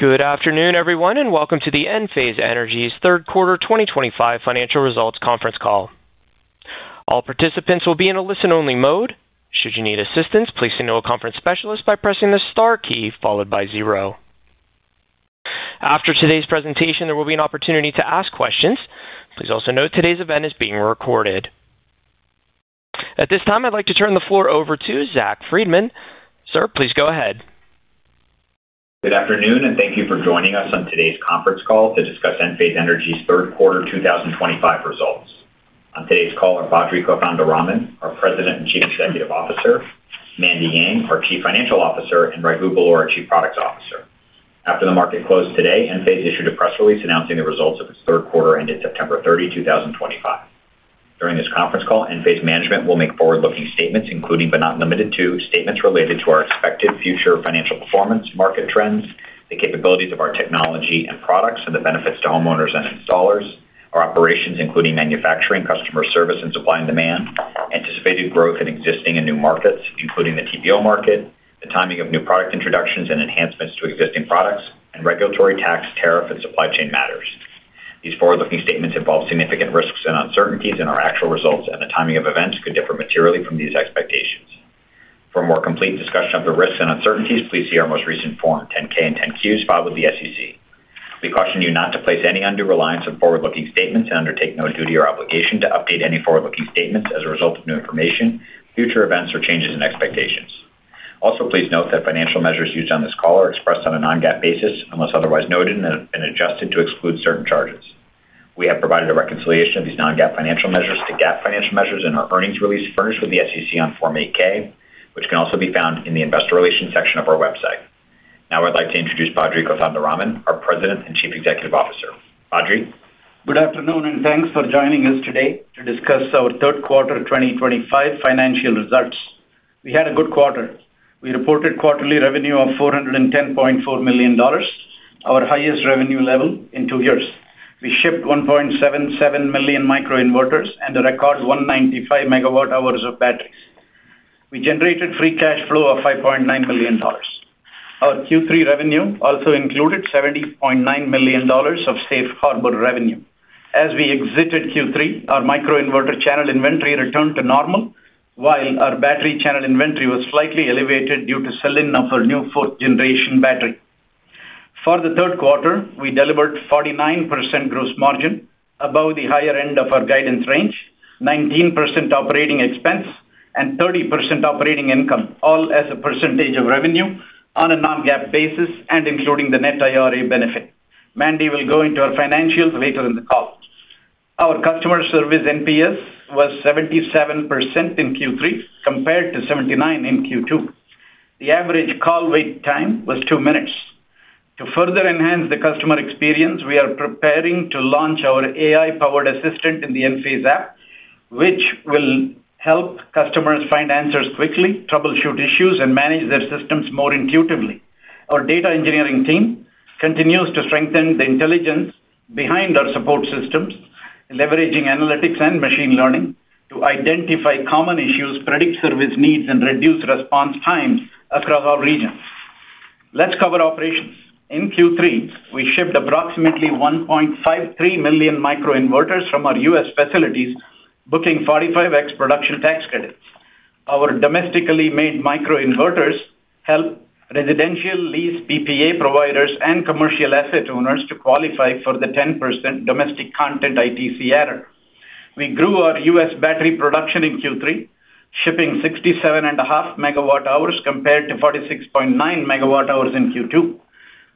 Good afternoon, everyone, and welcome to the Enphase Energy third quarter 2025 financial results conference call. All participants will be in a listen-only mode. Should you need assistance, please say no to a conference specialist by pressing the star key followed by zero. After today's presentation, there will be an opportunity to ask questions. Please also note today's event is being recorded. At this time, I'd like to turn the floor over to Zach Freedman. Sir, please go ahead. Good afternoon, and thank you for joining us on today's conference call to discuss Enphase Energy's third quarter 2025 results. On today's call are Badri Kothandaraman, our President and Chief Executive Officer, Mandy Yang, our Chief Financial Officer, and Raghu Belur, our Chief Product Officer. After the market closed today, Enphase issued a press release announcing the results of its third quarter ended September 30, 2025. During this conference call, Enphase management will make forward-looking statements, including but not limited to statements related to our expected future financial performance, market trends, the capabilities of our technology and products, and the benefits to homeowners and installers, our operations, including manufacturing, customer service, and supply and demand, anticipated growth in existing and new markets, including the TPO market, the timing of new product introductions and enhancements to existing products, and regulatory, tax, tariff, and supply chain matters. These forward-looking statements involve significant risks and uncertainties, and our actual results and the timing of events could differ materially from these expectations. For a more complete discussion of the risks and uncertainties, please see our most recent Form 10-K and Form 10-Qs filed with the SEC. We caution you not to place any undue reliance on forward-looking statements and undertake no duty or obligation to update any forward-looking statements as a result of new information, future events, or changes in expectations. Also, please note that financial measures used on this call are expressed on a non-GAAP basis unless otherwise noted and have been adjusted to exclude certain charges. We have provided a reconciliation of these non-GAAP financial measures to GAAP financial measures in our earnings release furnished with the SEC on Form 8-K, which can also be found in the Investor Relations section of our website. Now I'd like to introduce Badri Kothandaraman, our President and Chief Executive Officer. Badri? Good afternoon, and thanks for joining us today to discuss our third quarter 2025 financial results. We had a good quarter. We reported quarterly revenue of $410.4 million, our highest revenue level in two years. We shipped 1.77 million microinverters and a record 195 MW-hours of batteries. We generated free cash flow of $5.9 million. Our Q3 revenue also included $70.9 million of safe harbor revenue. As we exited Q3, our microinverter channel inventory returned to normal, while our battery channel inventory was slightly elevated due to selling of our new fourth-generation battery. For the third quarter, we delivered 49% gross margin, above the higher end of our guidance range, 19% operating expense, and 30% operating income, all as a percentage of revenue on a non-GAAP basis and including the net IRA benefit. Mandy will go into our financials later in the call. Our customer service NPS was 77% in Q3 compared to 79% in Q2. The average call wait time was two minutes. To further enhance the customer experience, we are preparing to launch our AI-powered assistant in the Enphase app, which will help customers find answers quickly, troubleshoot issues, and manage their systems more intuitively. Our data engineering team continues to strengthen the intelligence behind our support systems, leveraging analytics and machine learning to identify common issues, predict service needs, and reduce response times across our regions. Let's cover operations. In Q3, we shipped approximately 1.53 million microinverters from our U.S. facilities, booking 45x production tax credits. Our domestically made microinverters help residential lease PPA providers and commercial asset owners to qualify for the 10% domestic content ITC error. We grew our U.S. battery production in Q3, shipping 67.5 MW-hours compared to 46.9 MW-hours in Q2.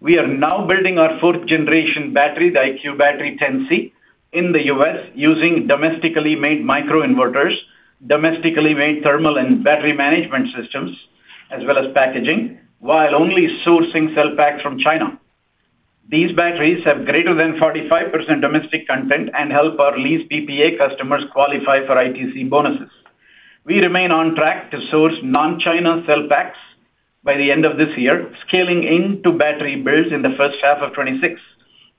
We are now building our fourth-generation battery, the IQ Battery 10C, in the U.S. using domestically made microinverters, domestically made thermal and battery management systems, as well as packaging, while only sourcing cell packs from China. These batteries have greater than 45% domestic content and help our lease PPA customers qualify for ITC bonuses. We remain on track to source non-China cell packs by the end of this year, scaling into battery builds in the first half of 2026.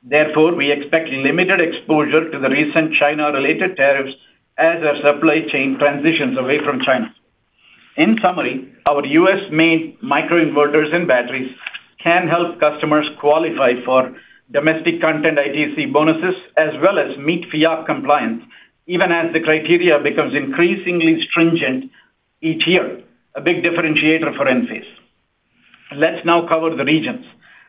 Therefore, we expect limited exposure to the recent China-related tariffs as our supply chain transitions away from China. In summary, our U.S.-made microinverters and batteries can help customers qualify for domestic content ITC bonuses, as well as meet FIOC compliance, even as the criteria becomes increasingly stringent each year, a big differentiator for Enphase. Let's now cover the regions.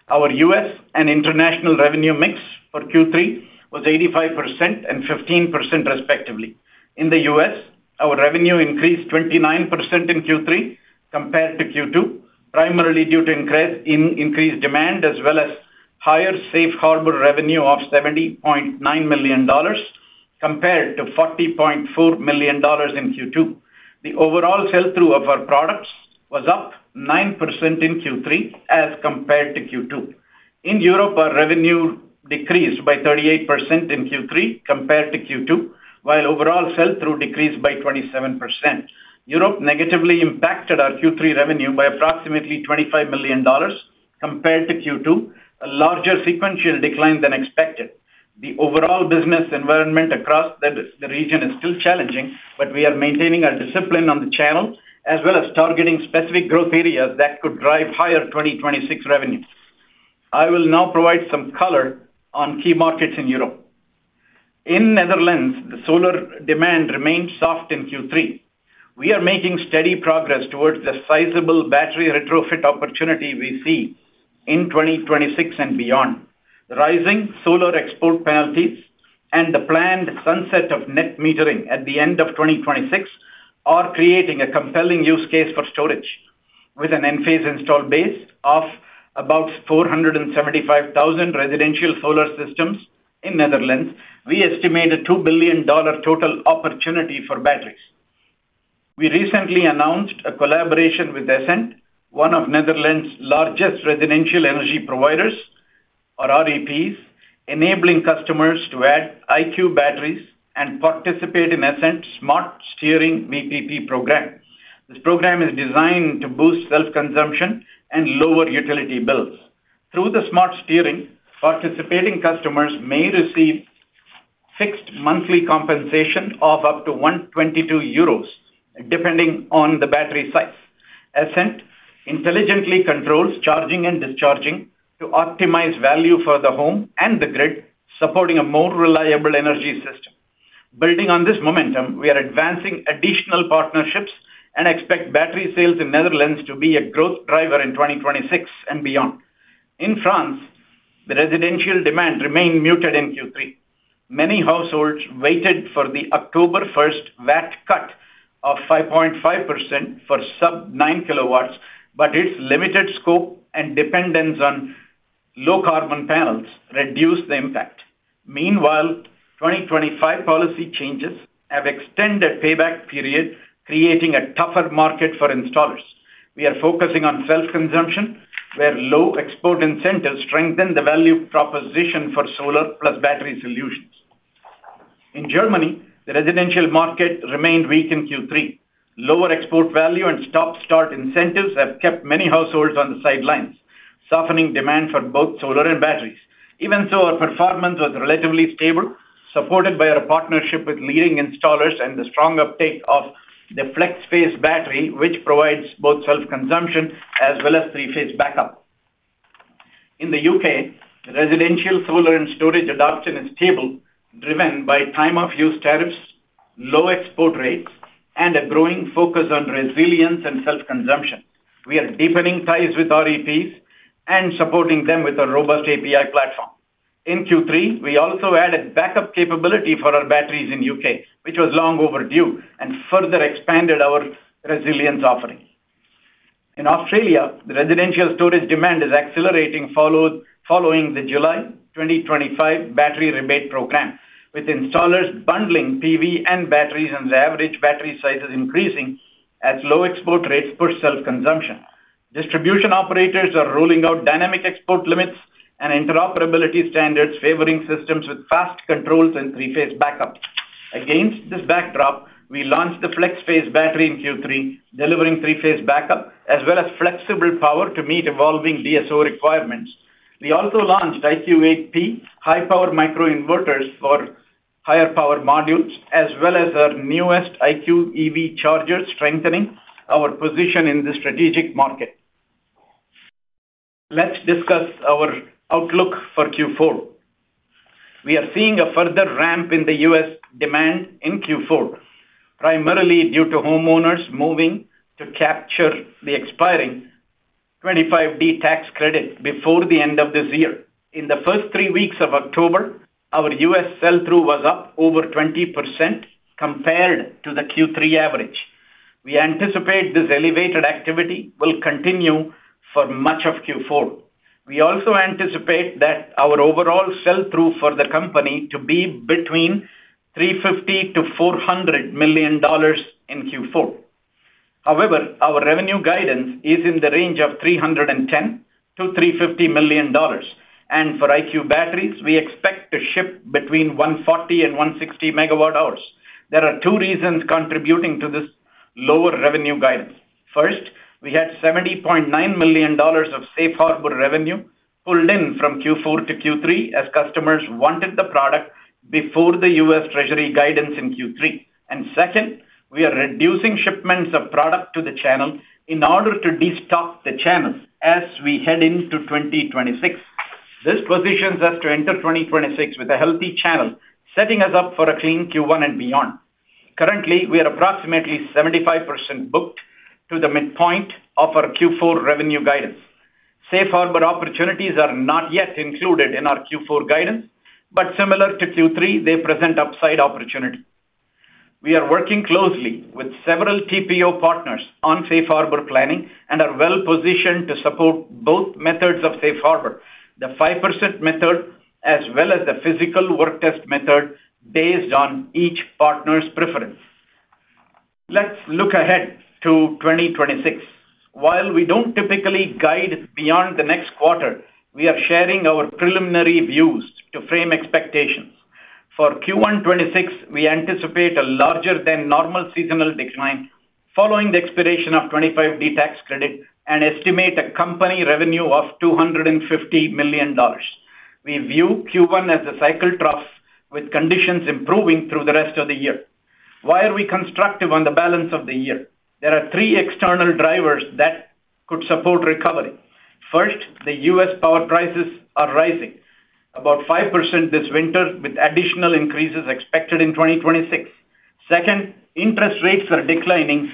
Our U.S. and international revenue mix for Q3 was 85% and 15% respectively. In the U.S., our revenue increased 29% in Q3 compared to Q2, primarily due to increased demand, as well as higher safe harbor revenue of $70.9 million compared to $40.4 million in Q2. The overall sell-through of our products was up 9% in Q3 as compared to Q2. In Europe, our revenue decreased by 38% in Q3 compared to Q2, while overall sell-through decreased by 27%. Europe negatively impacted our Q3 revenue by approximately $25 million compared to Q2, a larger sequential decline than expected. The overall business environment across the region is still challenging, but we are maintaining our discipline on the channel, as well as targeting specific growth areas that could drive higher 2026 revenue. I will now provide some color on key markets in Europe. In the Netherlands, the solar demand remained soft in Q3. We are making steady progress towards the sizable battery retrofit opportunity we see in 2026 and beyond. The rising solar export penalties and the planned sunset of net metering at the end of 2026 are creating a compelling use case for storage. With an Enphase install base of about 475,000 residential solar systems in the Netherlands, we estimate a $2 billion total opportunity for batteries. We recently announced a collaboration with Essent, one of the Netherlands' largest residential energy providers, or REPs, enabling customers to add IQ batteries and participate in Essent's Smart Steering VPP program. This program is designed to boost self-consumption and lower utility bills. Through the Smart Steering, participating customers may receive fixed monthly compensation of up to 122 euros, depending on the battery size. Essent intelligently controls charging and discharging to optimize value for the home and the grid, supporting a more reliable energy system. Building on this momentum, we are advancing additional partnerships and expect battery sales in the Netherlands to be a growth driver in 2026 and beyond. In France, the residential demand remained muted in Q3. Many households waited for the October 1st VAT cut of 5.5% for sub-9 KW, but its limited scope and dependence on low-carbon panels reduced the impact. Meanwhile, 2025 policy changes have extended the payback period, creating a tougher market for installers. We are focusing on self-consumption, where low export incentives strengthen the value proposition for solar plus battery solutions. In Germany, the residential market remained weak in Q3. Lower export value and stop-start incentives have kept many households on the sidelines, softening demand for both solar and batteries. Even so, our performance was relatively stable, supported by our partnership with leading installers and the strong uptake of the FlexPhase battery, which provides both self-consumption as well as three-phase backup. In the U.K., the residential solar and storage adoption is stable, driven by time-of-use tariffs, low export rates, and a growing focus on resilience and self-consumption. We are deepening ties with REPs and supporting them with a robust API platform. In Q3, we also added backup capability for our batteries in the U.K., which was long overdue and further expanded our resilience offering. In Australia, the residential storage demand is accelerating, following the July 2025 battery rebate program, with installers bundling PV and batteries, and the average battery size is increasing as low export rates push self-consumption. Distribution operators are rolling out dynamic export limits and interoperability standards, favoring systems with fast controls and three-phase backup. Against this backdrop, we launched the FlexPhase battery in Q3, delivering three-phase backup as well as flexible power to meet evolving DSO requirements. We also launched IQ8P high-power microinverters for higher power modules, as well as our newest IQ EV Charger, strengthening our position in the strategic market. Let's discuss our outlook for Q4. We are seeing a further ramp in the U.S. demand in Q4, primarily due to homeowners moving to capture the expiring 25D tax credit before the end of this year. In the first three weeks of October, our U.S. sell-through was up over 20% compared to the Q3 average. We anticipate this elevated activity will continue for much of Q4. We also anticipate that our overall sell-through for the company to be between $350 million-$400 million in Q4. However, our revenue guidance is in the range of $310 million-$350 million, and for IQ batteries, we expect to ship between 140 MW-hours and 160 MW-hours. There are two reasons contributing to this lower revenue guidance. First, we had $70.9 million of safe harbor revenue pulled in from Q4 to Q3 as customers wanted the product before the U.S. Treasury guidance in Q3. Second, we are reducing shipments of product to the channel in order to destock the channels as we head into 2026. This positions us to enter 2026 with a healthy channel, setting us up for a clean Q1 and beyond. Currently, we are approximately 75% booked to the midpoint of our Q4 revenue guidance. Safe harbor opportunities are not yet included in our Q4 guidance, but similar to Q3, they present upside opportunity. We are working closely with several TPO partners on safe harbor planning and are well positioned to support both methods of safe harbor, the 5% method as well as the physical work test method, based on each partner's preference. Let's look ahead to 2026. While we don't typically guide beyond the next quarter, we are sharing our preliminary views to frame expectations. For Q1 2026, we anticipate a larger than normal seasonal decline following the expiration of 25D tax credit and estimate a company revenue of $250 million. We view Q1 as a cycle trough with conditions improving through the rest of the year. Why are we constructive on the balance of the year? There are three external drivers that could support recovery. First, the U.S. power prices are rising about 5% this winter, with additional increases expected in 2026. Second, interest rates are declining,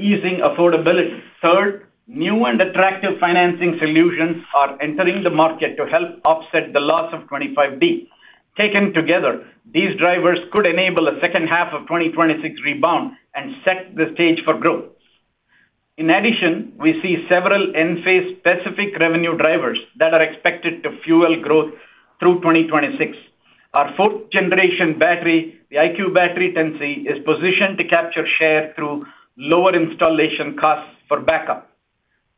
easing affordability. Third, new and attractive financing solutions are entering the market to help offset the loss of 25D. Taken together, these drivers could enable a second half of 2026 rebound and set the stage for growth. In addition, we see several Enphase-specific revenue drivers that are expected to fuel growth through 2026. Our fourth-generation battery, the IQ Battery 10C, is positioned to capture share through lower installation costs for backup.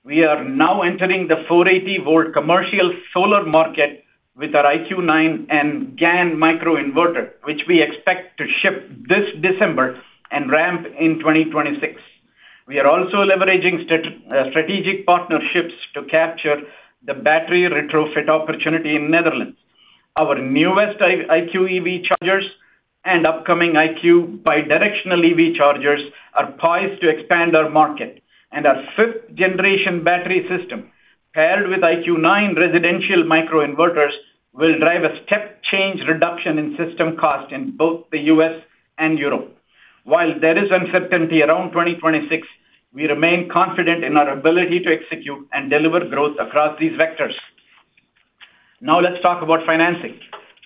We are now entering the 480-V commercial solar market with our IQ9 and GaN microinverter, which we expect to ship this December and ramp in 2026. We are also leveraging strategic partnerships to capture the battery retrofit opportunity in the Netherlands. Our newest IQ EV chargers and upcoming IQ bidirectional EV chargers are poised to expand our market. Our fifth-generation battery system, paired with IQ9 residential microinverters, will drive a step-change reduction in system cost in both the U.S. and Europe. While there is uncertainty around 2026, we remain confident in our ability to execute and deliver growth across these vectors. Now let's talk about financing.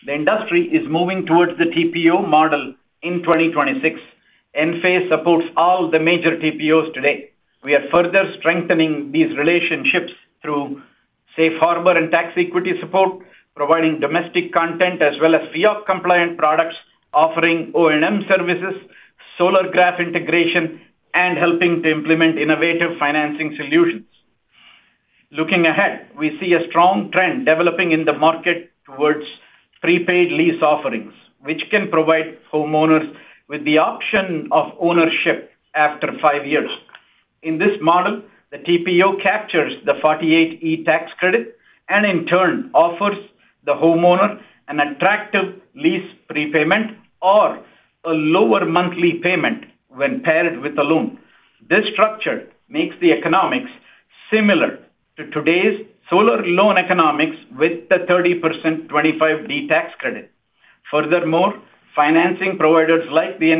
The industry is moving towards the TPO model in 2026. Enphase supports all the major TPOs today. We are further strengthening these relationships through safe harbor and tax equity support, providing domestic content as well as FIOC compliant products, offering O&M services, Solargraf integration, and helping to implement innovative financing solutions. Looking ahead, we see a strong trend developing in the market towards prepaid lease offerings, which can provide homeowners with the option of ownership after five years. In this model, the TPO captures the 48E tax credit and, in turn, offers the homeowner an attractive lease prepayment or a lower monthly payment when paired with a loan. This structure makes the economics similar to today's solar loan economics with the 30% 25D tax credit. Furthermore, financing providers like the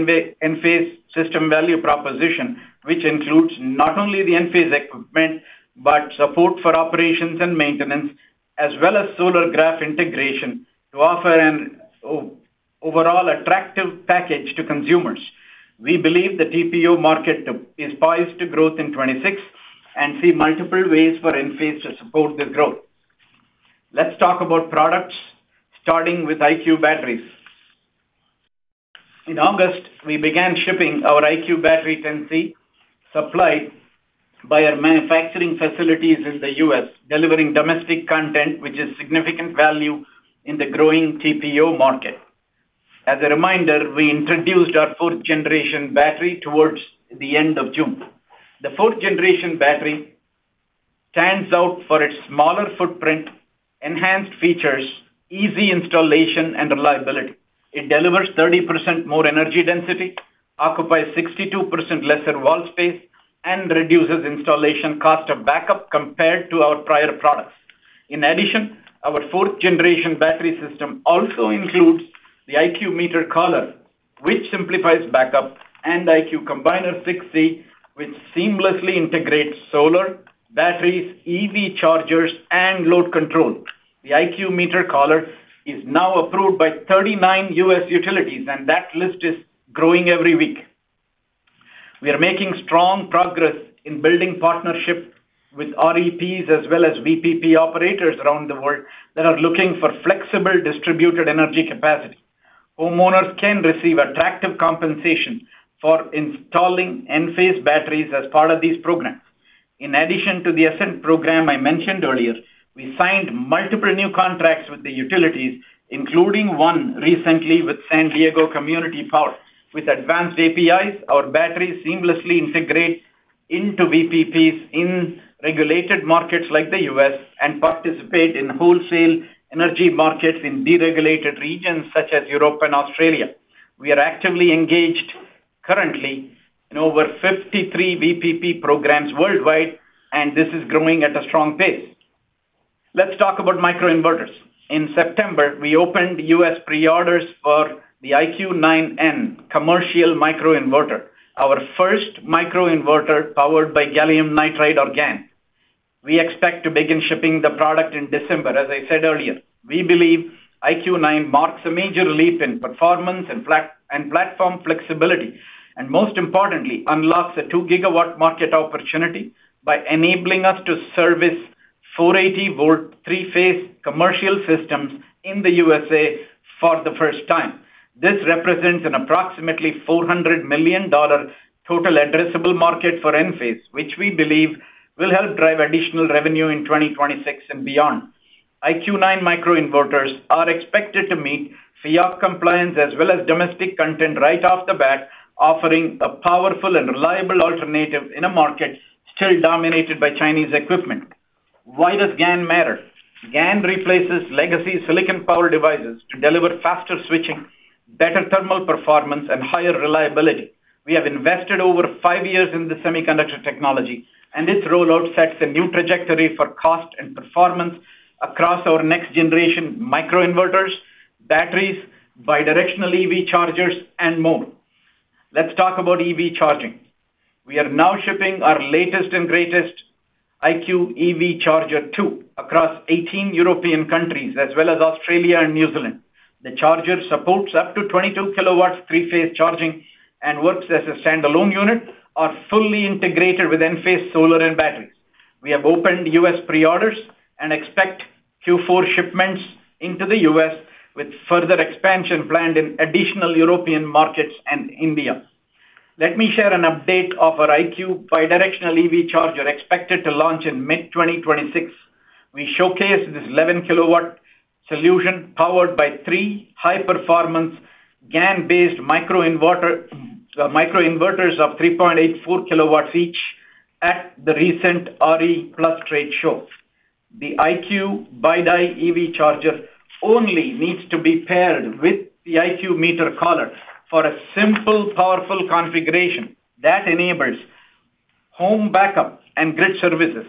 Enphase system value proposition, which includes not only the Enphase equipment but support for operations and maintenance, as well as Solargraf integration, to offer an overall attractive package to consumers. We believe the TPO market is poised to grow in 2026 and see multiple ways for Enphase to support this growth. Let's talk about products, starting with IQ batteries. In August, we began shipping our IQ Battery 10C, supplied by our manufacturing facilities in the U.S., delivering domestic content, which is significant value in the growing TPO market. As a reminder, we introduced our fourth-generation battery towards the end of June. The fourth-generation battery stands out for its smaller footprint, enhanced features, easy installation, and reliability. It delivers 30% more energy density, occupies 62% less wall space, and reduces installation cost of backup compared to our prior products. In addition, our fourth-generation battery system also includes the IQ meter collar, which simplifies backup, and IQ Combiner 6C, which seamlessly integrates solar, batteries, EV chargers, and load control. The IQ meter collar is now approved by 39 U.S. utilities, and that list is growing every week. We are making strong progress in building partnerships with REPs as well as VPP operators around the world that are looking for flexible distributed energy capacity. Homeowners can receive attractive compensation for installing Enphase batteries as part of these programs. In addition to the Essent program I mentioned earlier, we signed multiple new contracts with the utilities, including one recently with San Diego Community Power. With advanced APIs, our batteries seamlessly integrate into VPPs in regulated markets like the U.S. and participate in wholesale energy markets in deregulated regions such as Europe and Australia. We are actively engaged currently in over 53 VPP programs worldwide, and this is growing at a strong pace. Let's talk about microinverters. In September, we opened U.S. pre-orders for the IQ9 commercial microinverter, our first microinverter powered by gallium nitride or GaN. We expect to begin shipping the product in December, as I said earlier. We believe IQ9 marks a major leap in performance and platform flexibility, and most importantly, unlocks a 2-GW market opportunity by enabling us to service 480-V three-phase commercial systems in the U.S. for the first time. This represents an approximately $400 million total addressable market for Enphase, which we believe will help drive additional revenue in 2026 and beyond. IQ9 microinverters are expected to meet FIOC compliance as well as domestic content right off the bat, offering a powerful and reliable alternative in a market still dominated by Chinese equipment. Why does GaN matter? GaN replaces legacy silicon-powered devices to deliver faster switching, better thermal performance, and higher reliability. We have invested over five years in this semiconductor technology, and its rollout sets a new trajectory for cost and performance across our next-generation microinverters, batteries, bidirectional EV chargers, and more. Let's talk about EV charging. We are now shipping our latest and greatest IQ EV Charger 2 across 18 European countries, as well as Australia and New Zealand. The charger supports up to 22 KW three-phase charging and works as a standalone unit, fully integrated with Enphase solar and batteries. We have opened U.S. pre-orders and expect Q4 shipments into the U.S., with further expansion planned in additional European markets and India. Let me share an update of our IQ bidirectional EV charger expected to launch in mid-2026. We showcased this 11-KW solution powered by three high-performance GaN-based microinverters of 3.84 KW each at the recent RE+ trade show. The IQ bidirectional EV charger only needs to be paired with the IQ meter collar for a simple, powerful configuration that enables home backup and grid services.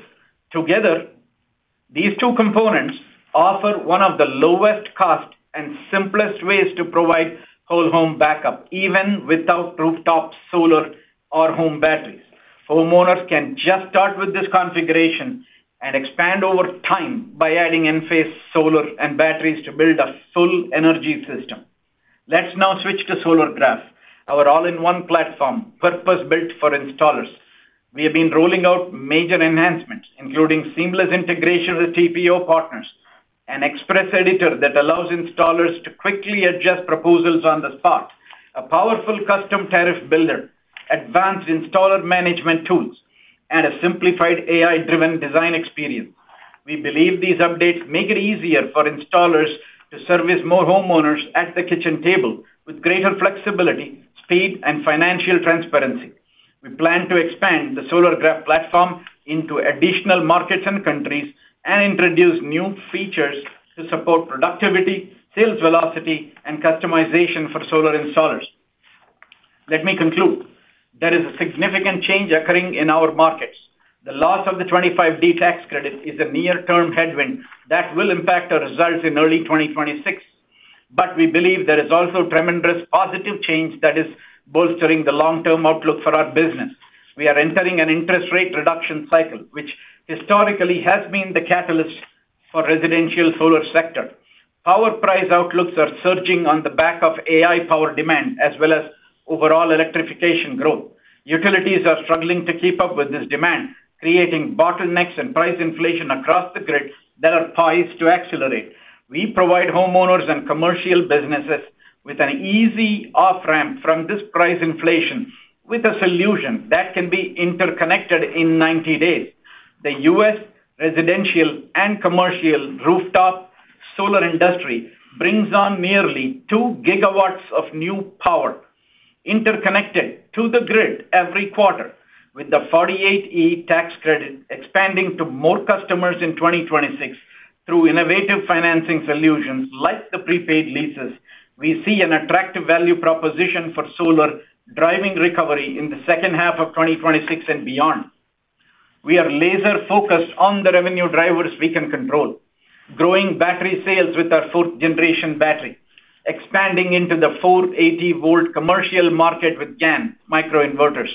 Together, these two components offer one of the lowest cost and simplest ways to provide whole-home backup, even without rooftop solar or home batteries. Homeowners can just start with this configuration and expand over time by adding Enphase solar and batteries to build a full energy system. Let's now switch to Solargraf, our all-in-one platform purpose-built for installers. We have been rolling out major enhancements, including seamless integration with TPO partners, an express editor that allows installers to quickly adjust proposals on the spot, a powerful custom tariff builder, advanced installer management tools, and a simplified AI-driven design experience. We believe these updates make it easier for installers to service more homeowners at the kitchen table with greater flexibility, speed, and financial transparency. We plan to expand the Solargraf platform into additional markets and countries and introduce new features to support productivity, sales velocity, and customization for solar installers. Let me conclude. There is a significant change occurring in our markets. The loss of the 25D tax credit is a near-term headwind that will impact our results in early 2026, but we believe there is also tremendous positive change that is bolstering the long-term outlook for our business. We are entering an interest rate reduction cycle, which historically has been the catalyst for the residential solar sector. Power price outlooks are surging on the back of AI-powered demand, as well as overall electrification growth. Utilities are struggling to keep up with this demand, creating bottlenecks and price inflation across the grid that are poised to accelerate. We provide homeowners and commercial businesses with an easy off-ramp from this price inflation with a solution that can be interconnected in 90 days. The U.S. residential and commercial rooftop solar industry brings on nearly 2 GW of new power interconnected to the grid every quarter. With the 48E tax credit expanding to more customers in 2026 through innovative financing solutions like the prepaid leases, we see an attractive value proposition for solar driving recovery in the second half of 2026 and beyond. We are laser-focused on the revenue drivers we can control: growing battery sales with our fourth-generation battery, expanding into the 480-V commercial market with GaN microinverters,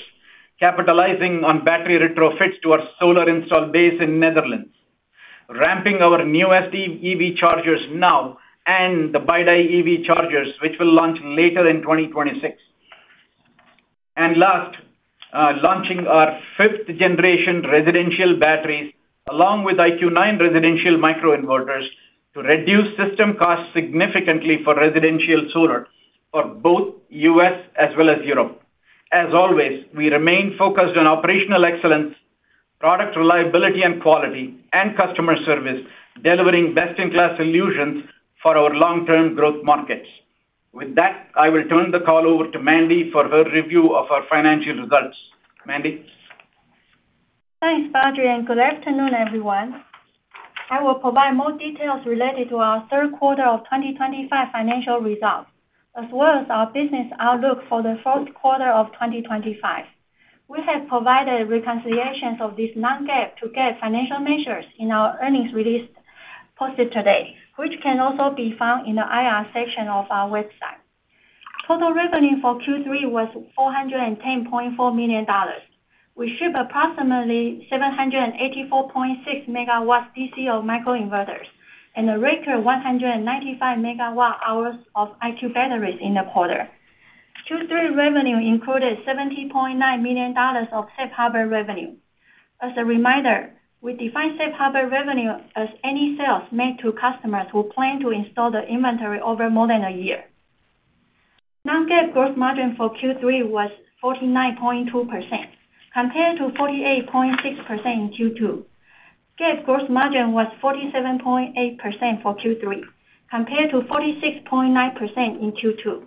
capitalizing on battery retrofits to our solar install base in the Netherlands, ramping our new SD EV chargers now, and the bidirectional EV chargers, which will launch later in 2026. Last, launching our fifth-generation residential batteries, along with IQ9 residential microinverters, to reduce system costs significantly for residential solar for both the U.S. as well as Europe. As always, we remain focused on operational excellence, product reliability and quality, and customer service, delivering best-in-class solutions for our long-term growth markets. With that, I will turn the call over to Mandy for her review of our financial results. Mandy? Thanks, Badri, and good afternoon, everyone. I will provide more details related to our third quarter of 2025 financial results, as well as our business outlook for the fourth quarter of 2025. We have provided reconciliations of these non-GAAP to GAAP financial measures in our earnings release posted today, which can also be found in the IR section of our website. Total revenue for Q3 was $410.4 million. We shipped approximately 784.6 MW DC of microinverters and a record 195 MW-hours of IQ batteries in the quarter. Q3 revenue included $70.9 million of safe harbor revenue. As a reminder, we define safe harbor revenue as any sales made to customers who plan to install the inventory over more than a year. Non-GAAP gross margin for Q3 was 49.2%, compared to 48.6% in Q2. GAAP gross margin was 47.8% for Q3, compared to 46.9% in Q2.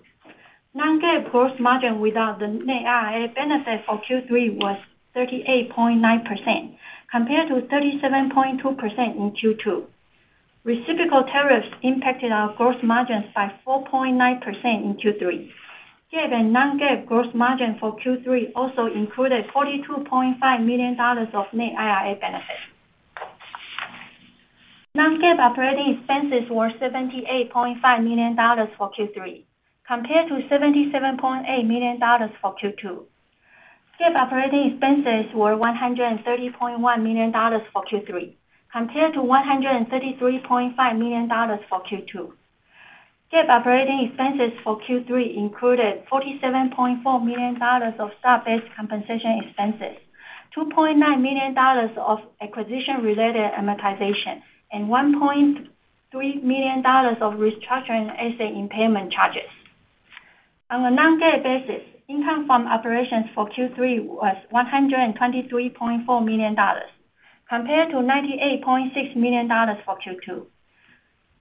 Non-GAAP gross margin without the NAI benefit for Q3 was 38.9%, compared to 37.2% in Q2. Reciprocal tariffs impacted our gross margins by 4.9% in Q3. GAAP and non-GAAP gross margin for Q3 also included $42.5 million of NAI benefits. Non-GAAP operating expenses were $78.5 million for Q3, compared to $77.8 million for Q2. GAAP operating expenses were $130.1 million for Q3, compared to $133.5 million for Q2. GAAP operating expenses for Q3 included $47.4 million of stock-based compensation expenses, $2.9 million of acquisition-related amortization, and $1.3 million of restructuring and asset impairment charges. On a non-GAAP basis, income from operations for Q3 was $123.4 million, compared to $98.6 million for Q2.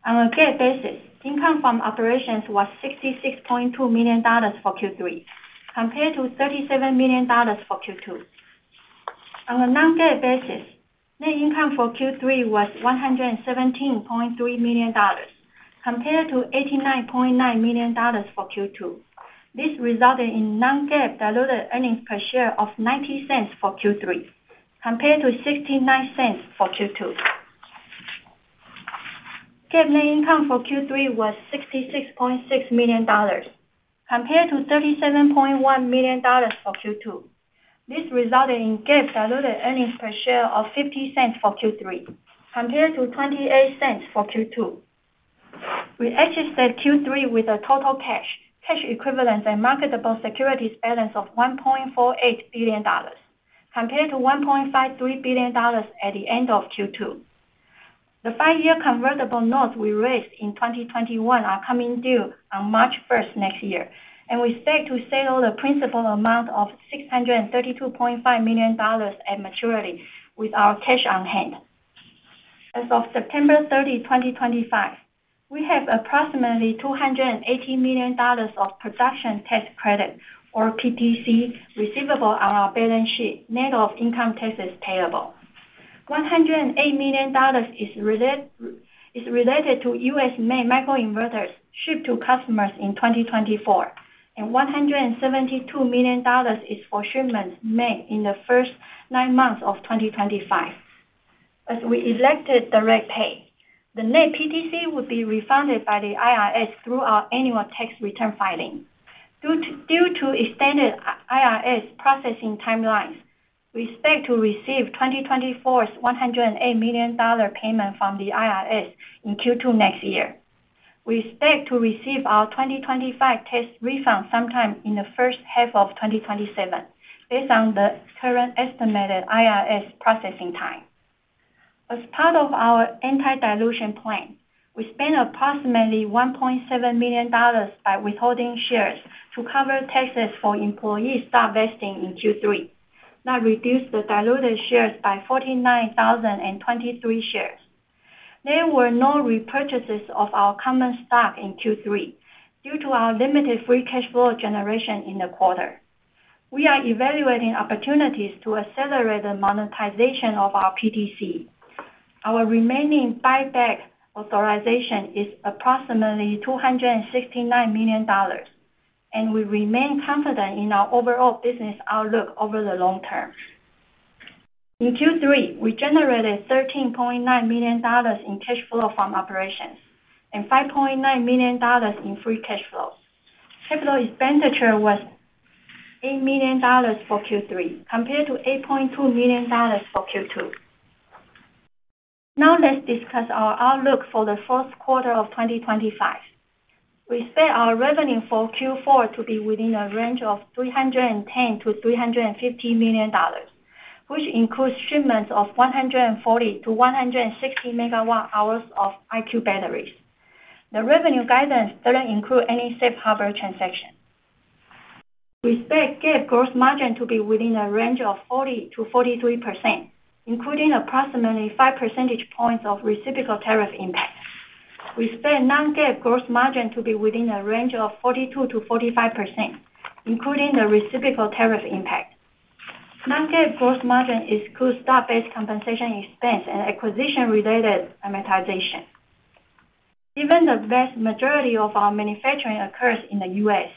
On a GAAP basis, income from operations was $66.2 million for Q3, compared to $37 million for Q2. On a non-GAAP basis, net income for Q3 was $117.3 million, compared to $89.9 million for Q2. This resulted in non-GAAP diluted earnings per share of $0.90 for Q3, compared to $0.69 for Q2. GAAP net income for Q3 was $66.6 million, compared to $37.1 million for Q2. This resulted in GAAP diluted earnings per share of $0.50 for Q3, compared to $0.28 for Q2. We exited Q3 with a total cash equivalent and marketable securities balance of $1.48 billion, compared to $1.53 billion at the end of Q2. The five-year convertible notes we raised in 2021 are coming due on March 1st next year, and we expect to settle the principal amount of $632.5 million at maturity with our cash on hand. As of September 30, 2025, we have approximately $280 million of production tax credit, or PTC, receivable on our balance sheet, net of income taxes payable. $108 million is related to U.S.-made microinverters shipped to customers in 2024, and $172 million is for shipments made in the first nine months of 2025. As we elected direct pay, the net PTC would be refunded by the IRS through our annual tax return filing. Due to extended IRS processing timelines, we expect to receive 2024's $108 million payment from the IRS in Q2 next year. We expect to receive our 2025 tax refund sometime in the first half of 2027, based on the current estimated IRS processing time. As part of our anti-dilution plan, we spent approximately $1.7 million by withholding shares to cover taxes for employee stock vesting in Q3, which reduced the diluted shares by 49,023 shares. There were no repurchases of our common stock in Q3 due to our limited free cash flow generation in the quarter. We are evaluating opportunities to accelerate the monetization of our PTC. Our remaining buyback authorization is approximately $269 million, and we remain confident in our overall business outlook over the long term. In Q3, we generated $13.9 million in cash flow from operations and $5.9 million in free cash flow. Capital expenditure was $8 million for Q3, compared to $8.2 million for Q2. Now let's discuss our outlook for the fourth quarter of 2025. We expect our revenue for Q4 to be within a range of $310 million-$350 million, which includes shipments of 140 MW-hours to 160 MW-hours of IQ batteries. The revenue guidance doesn't include any safe harbor transaction. We expect GAAP gross margin to be within a range of 40%-43%, including approximately 5% of reciprocal tariff impact. We expect non-GAAP gross margin to be within a range of 42%-45%, including the reciprocal tariff impact. Non-GAAP gross margin excludes stock-based compensation expense and acquisition-related amortization. Given the vast majority of our manufacturing occurs in the U.S.,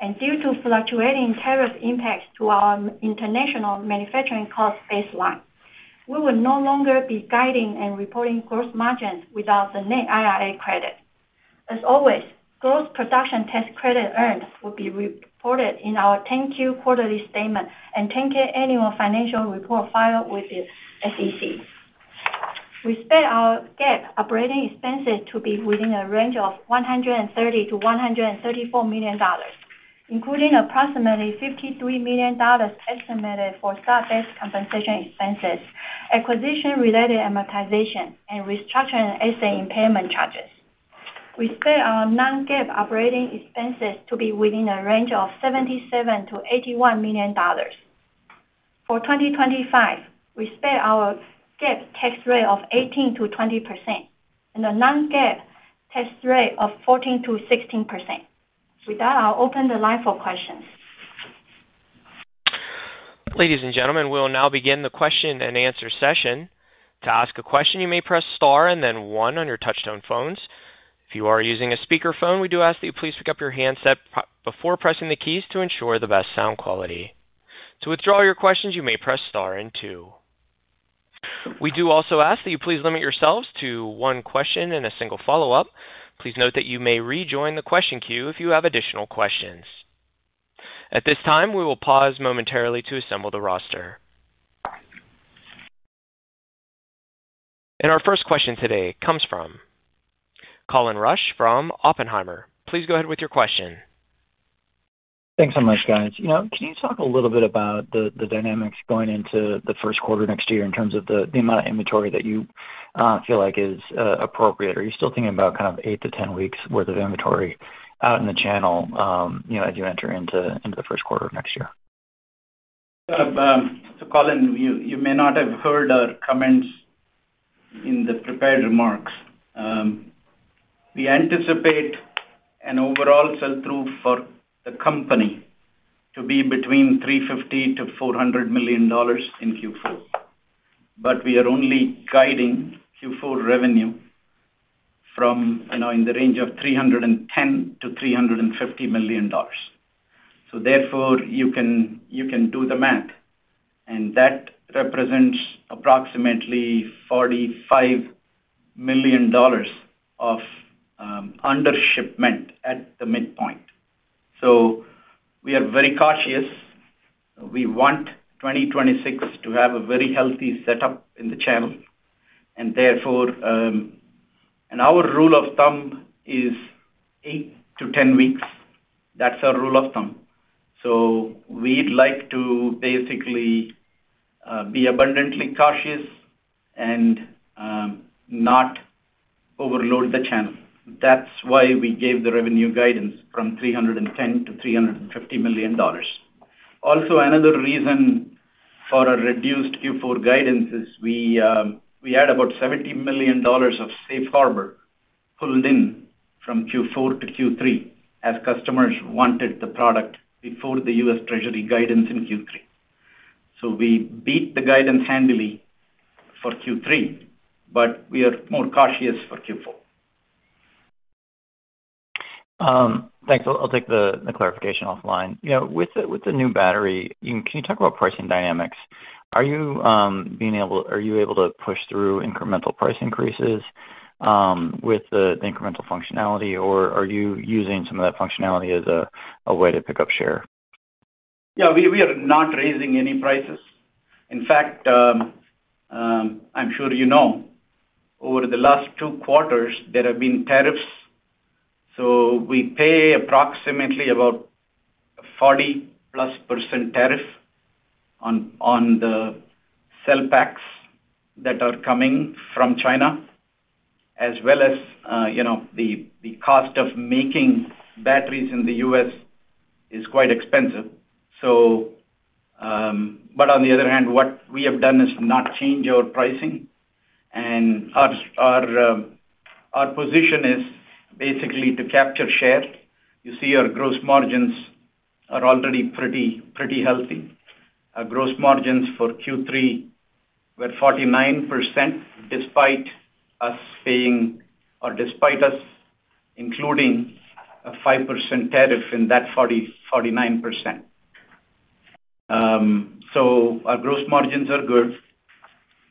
and due to fluctuating tariff impacts to our international manufacturing cost baseline, we will no longer be guiding and reporting gross margins without the net IRA credit. As always, gross production tax credit earned will be reported in our Form 10-Q quarterly statement and Form 10-K annual financial report filed with the SEC. We expect our GAAP operating expenses to be within a range of $130 million-$134 million, including approximately $53 million estimated for stock-based compensation expenses, acquisition-related amortization, and restructuring and asset impairment charges. We expect our non-GAAP operating expenses to be within a range of $77 million-$81 million for 2025. We expect our GAAP tax rate of 18%-20% and a non-GAAP tax rate of 14%-16%. With that, I'll open the line for questions. Ladies and gentlemen, we'll now begin the question and answer session. To ask a question, you may press star and then one on your touch-tone phones. If you are using a speakerphone, we do ask that you please pick up your handset before pressing the keys to ensure the best sound quality. To withdraw your questions, you may press star and two. We do also ask that you please limit yourselves to one question and a single follow-up. Please note that you may rejoin the question queue if you have additional questions. At this time, we will pause momentarily to assemble the roster. Our first question today comes from Colin Rusch from Oppenheimer. Please go ahead with your question. Thanks so much, guys. Can you talk a little bit about the dynamics going into the first quarter next year in terms of the amount of inventory that you feel like is appropriate? Are you still thinking about kind of eight to 10 weeks' worth of inventory out in the channel as you enter into the first quarter of next year? Colin, you may not have heard our comments in the prepared remarks. We anticipate an overall sell-through for the company to be between $350 million-$400 million in Q4. We are only guiding Q4 revenue in the range of $310 million-$350 million. Therefore, you can do the math, and that represents approximately $45 million of undershipment at the midpoint. We are very cautious. We want 2026 to have a very healthy setup in the channel, and our rule of thumb is eight to 10 weeks. That's our rule of thumb. We'd like to basically be abundantly cautious and not overload the channel. That's why we gave the revenue guidance from $310 million-$350 million. Also, another reason for our reduced Q4 guidance is we had about $70 million of safe harbor pulled in from Q4 to Q3 as customers wanted the product before the U.S. Treasury guidance in Q3. We beat the guidance handily for Q3, but we are more cautious for Q4. Thanks. I'll take the clarification offline. You know, with the new battery, can you talk about pricing dynamics? Are you being able to push through incremental price increases with the incremental functionality, or are you using some of that functionality as a way to pick up share? Yeah, we are not raising any prices. In fact, I'm sure you know, over the last two quarters, there have been tariffs. We pay approximately about a 40+% tariff on the cell packs that are coming from China, as well as, you know, the cost of making batteries in the U.S. is quite expensive. What we have done is not change our pricing, and our position is basically to capture share. You see, our gross margins are already pretty, pretty healthy. Our gross margins for Q3 were 49% despite us paying or despite us including a 5% tariff in that 49%. Our gross margins are good.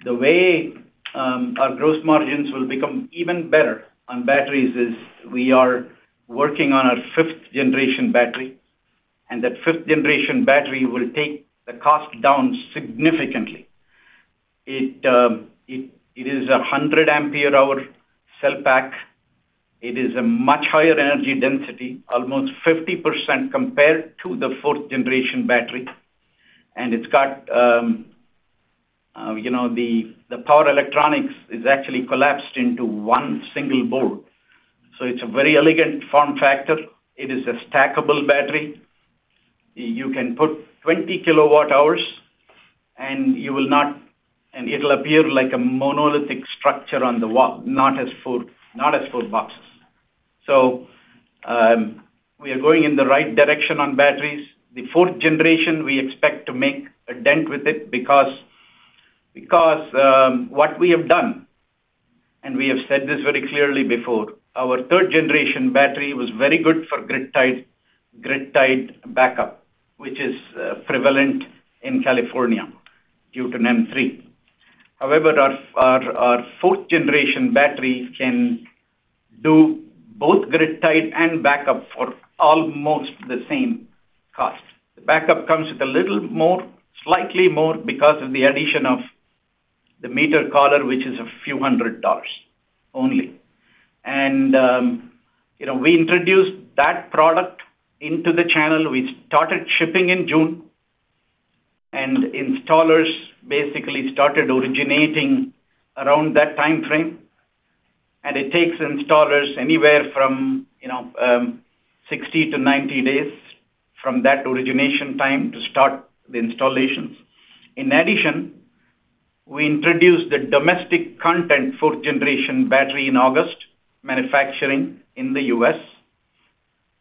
The way our gross margins will become even better on batteries is we are working on our fifth-generation battery, and that fifth-generation battery will take the cost down significantly. It is a 100-ampere-hour cell pack. It is a much higher energy density, almost 50% compared to the fourth-generation battery. It's got, you know, the power electronics is actually collapsed into one single board. It is a very elegant form factor. It is a stackable battery. You can put 20 KW-hours, and it'll appear like a monolithic structure on the wall, not as four boxes. We are going in the right direction on batteries. The fourth generation, we expect to make a dent with it because what we have done, and we have said this very clearly before, our third-generation battery was very good for grid-tied backup, which is prevalent in California due to NEM 3.0. However, our fourth-generation battery can do both grid-tied and backup for almost the same cost. The backup comes with a little more, slightly more, because of the addition of the meter collar, which is a few hundred dollars only. We introduced that product into the channel. We started shipping in June, and installers basically started originating around that time frame. It takes installers anywhere from, you know, 60 days-90 days from that origination time to start the installations. In addition, we introduced the domestic content fourth-generation battery in August, manufacturing in the U.S.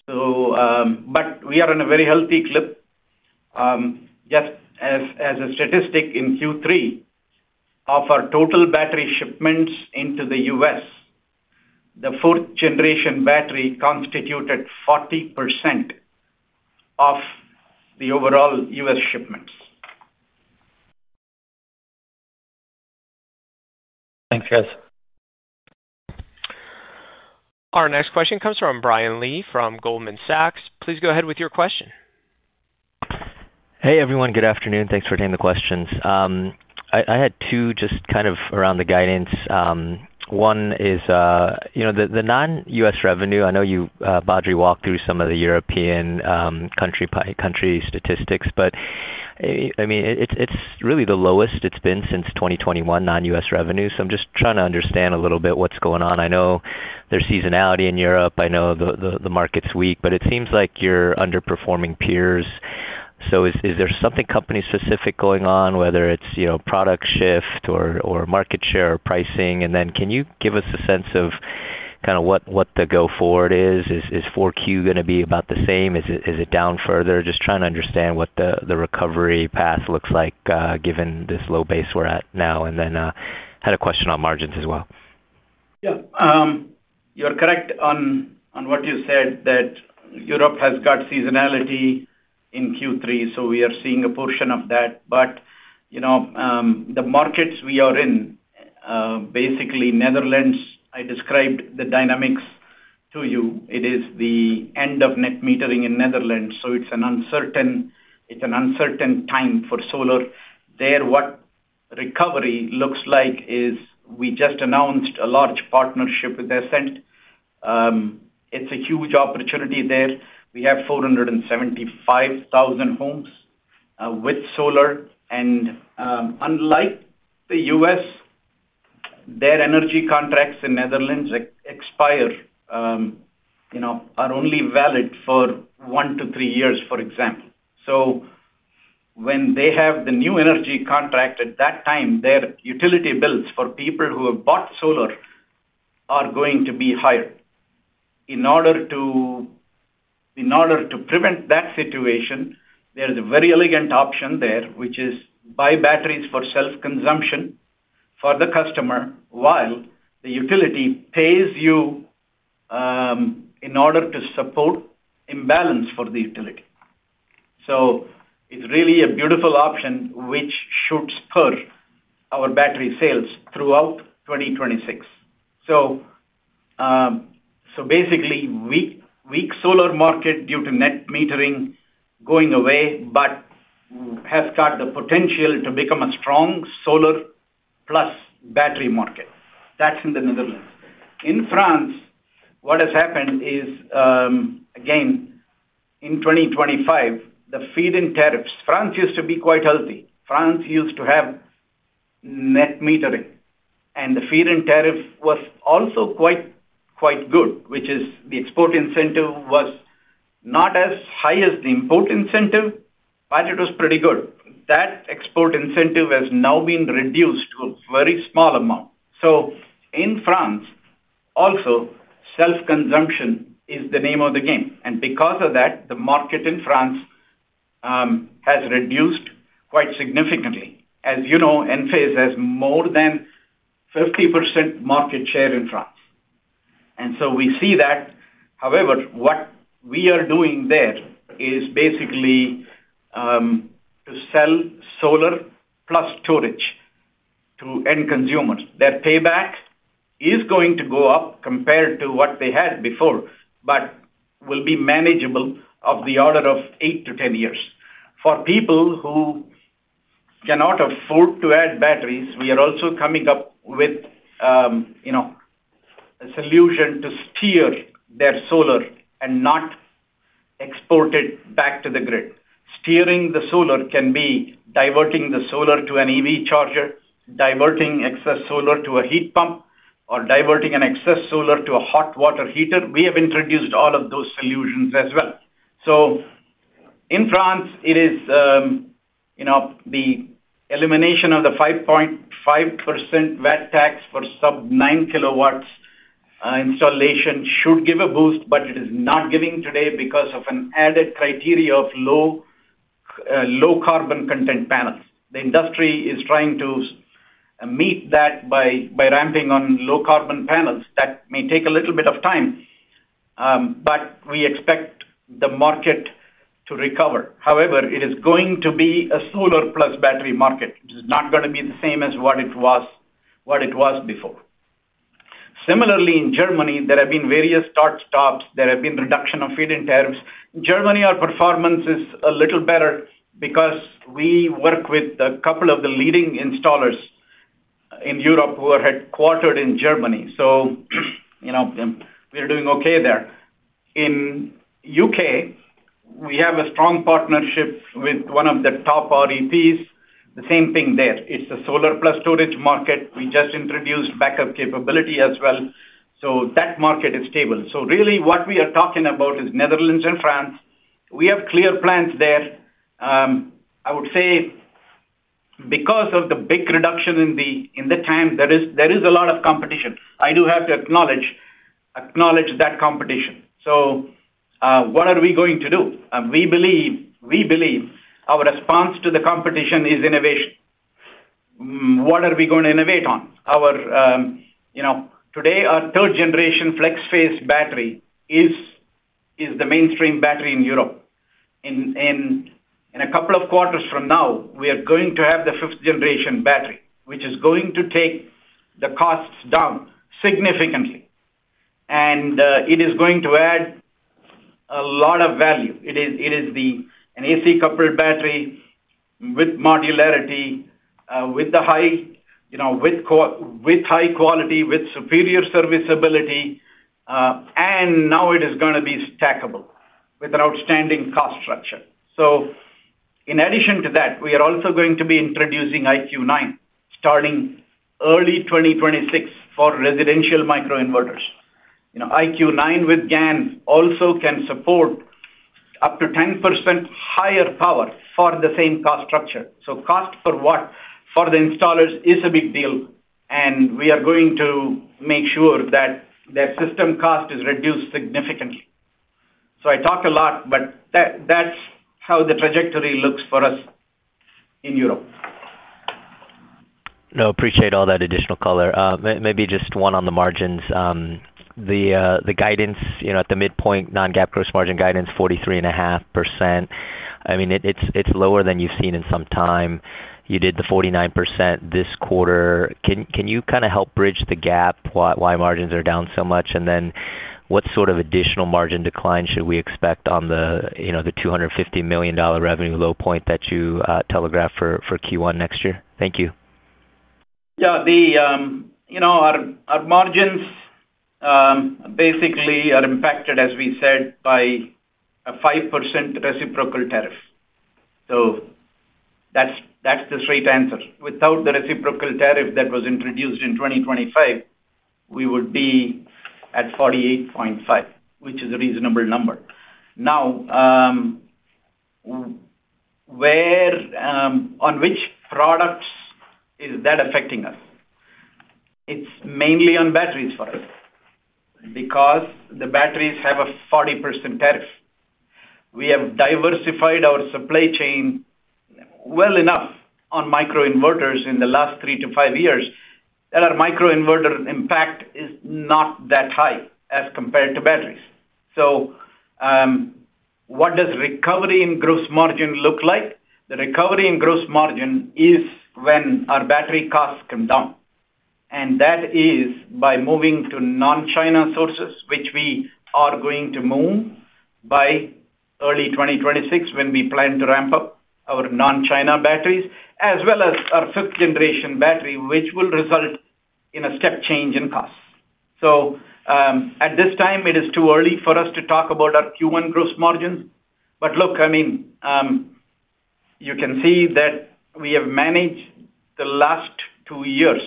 We are on a very healthy clip. Just as a statistic, in Q3, of our total battery shipments into the U.S., the fourth-generation battery constituted 40% of the overall U.S. shipments. Thanks, guys. Our next question comes from Brian Lee from Goldman Sachs. Please go ahead with your question. Hey, everyone. Good afternoon. Thanks for taking the questions. I had two just kind of around the guidance. One is, you know, the non-U.S. revenue. I know you, Badri, walked through some of the European country statistics, but I mean, it's really the lowest it's been since 2021, non-U.S. revenue. I'm just trying to understand a little bit what's going on. I know there's seasonality in Europe. I know the market's weak, but it seems like you're underperforming peers. Is there something company-specific going on, whether it's, you know, product shift or market share or pricing? Can you give us a sense of kind of what the go-forward is? Is 4Q going to be about the same? Is it down further? I'm just trying to understand what the recovery path looks like given this low base we're at now. I had a question on margins as well. Yeah. You're correct on what you said that Europe has got seasonality in Q3. We are seeing a portion of that. The markets we are in, basically Netherlands, I described the dynamics to you. It is the end of net metering in Netherlands. It's an uncertain time for solar. There, what recovery looks like is we just announced a large partnership with Essent. It's a huge opportunity there. We have 475,000 homes with solar. Unlike the U.S., their energy contracts in Netherlands expire, you know, are only valid for one to three years, for example. When they have the new energy contract, at that time, their utility bills for people who have bought solar are going to be higher. In order to prevent that situation, there's a very elegant option there, which is buy batteries for self-consumption for the customer while the utility pays you in order to support imbalance for the utility. It's really a beautiful option, which should spur our battery sales throughout 2026. Basically, weak solar market due to net metering going away, but has got the potential to become a strong solar plus battery market. That's in the Netherlands. In France, what has happened is, again, in 2025, the feed-in tariffs. France used to be quite healthy. France used to have net metering, and the feed-in tariff was also quite good, which is the export incentive was not as high as the import incentive, but it was pretty good. That export incentive has now been reduced to a very small amount. In France, also, self-consumption is the name of the game. Because of that, the market in France has reduced quite significantly. As you know, Enphase has more than 50% market share in France. We see that. However, what we are doing there is basically to sell solar plus storage to end consumers. Their payback is going to go up compared to what they had before, but will be manageable of the order of eight to 10 years. For people who cannot afford to add batteries, we are also coming up with a solution to steer their solar and not export it back to the grid. Steering the solar can be diverting the solar to an EV charger, diverting excess solar to a heat pump, or diverting excess solar to a hot water heater. We have introduced all of those solutions as well. In France, the elimination of the 5.5% VAT tax for sub-9 KW installation should give a boost, but it is not giving today because of an added criteria of low carbon content panels. The industry is trying to meet that by ramping on low carbon panels. That may take a little bit of time, but we expect the market to recover. However, it is going to be a solar plus battery market. It is not going to be the same as what it was before. Similarly, in Germany, there have been various start-stops. There have been reduction of feed-in tariffs. Germany, our performance is a little better because we work with a couple of the leading installers in Europe who are headquartered in Germany. We are doing okay there. In the U.K., we have a strong partnership with one of the top REPs. The same thing there. It's a solar plus storage market. We just introduced backup capability as well. That market is stable. What we are talking about is Netherlands and France. We have clear plans there. I would say because of the big reduction in the time, there is a lot of competition. I do have to acknowledge that competition. What are we going to do? We believe our response to the competition is innovation. What are we going to innovate on? Today, our third-generation FlexPhase battery is the mainstream battery in Europe. In a couple of quarters from now, we are going to have the fifth-generation battery, which is going to take the costs down significantly. It is going to add a lot of value. It is an AC-coupled battery with modularity, with high quality, with superior serviceability, and now it is going to be stackable with an outstanding cost structure. In addition to that, we are also going to be introducing IQ9 starting early 2026 for residential microinverters. IQ9 with GaN also can support up to 10% higher power for the same cost structure. Cost for what? For the installers, it's a big deal. We are going to make sure that their system cost is reduced significantly. I talk a lot, but that's how the trajectory looks for us in Europe. No, I appreciate all that additional color. Maybe just one on the margins. The guidance, you know, at the midpoint, non-GAAP gross margin guidance, 43.5%. It's lower than you've seen in some time. You did the 49% this quarter. Can you kind of help bridge the gap why margins are down so much? What sort of additional margin decline should we expect on the $250 million revenue low point that you telegraph for Q1 next year? Thank you. Yeah, our margins basically are impacted, as we said, by a 5% reciprocal tariff. That's the straight answer. Without the reciprocal tariff that was introduced in 2025, we would be at 48.5%, which is a reasonable number. Now, where on which products is that affecting us? It's mainly on batteries for us because the batteries have a 40% tariff. We have diversified our supply chain well enough on microinverters in the last three to five years that our microinverter impact is not that high as compared to batteries. What does recovery in gross margin look like? The recovery in gross margin is when our battery costs come down. That is by moving to non-China sources, which we are going to move by early 2026 when we plan to ramp up our non-China batteries, as well as our fifth-generation battery, which will result in a step change in costs. At this time, it is too early for us to talk about our Q1 gross margins. I mean, you can see that we have managed the last two years,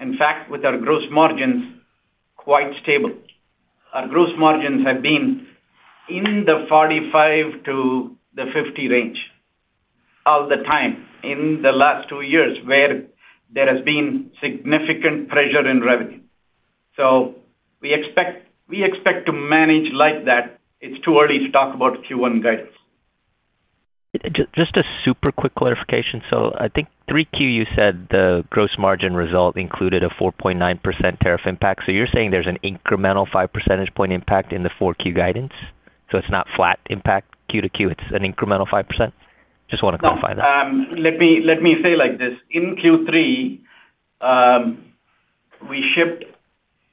in fact, with our gross margins quite stable. Our gross margins have been in the 45%-50% range all the time in the last two years where there has been significant pressure in revenue. We expect to manage like that. It's too early to talk about Q1 guidance. Just a super quick clarification. I think 3Q, you said the gross margin result included a 4.9% tariff impact. You're saying there's an incremental 5% impact in the 4Q guidance? It's not flat impact QoQ, it's an incremental 5%? Just want to clarify that. Let me say like this. In Q3, we shipped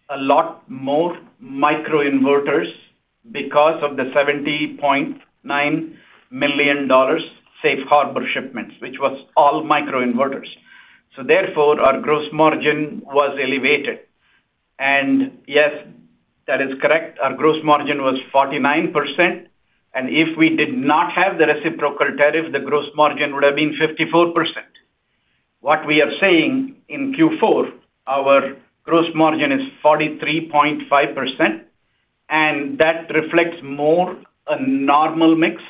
a lot more microinverters because of the $70.9 million safe harbor shipments, which was all microinverters. Therefore, our gross margin was elevated. Yes, that is correct. Our gross margin was 49%. If we did not have the reciprocal tariff, the gross margin would have been 54%. What we are saying in Q4, our gross margin is 43.5%. That reflects more a normal mix.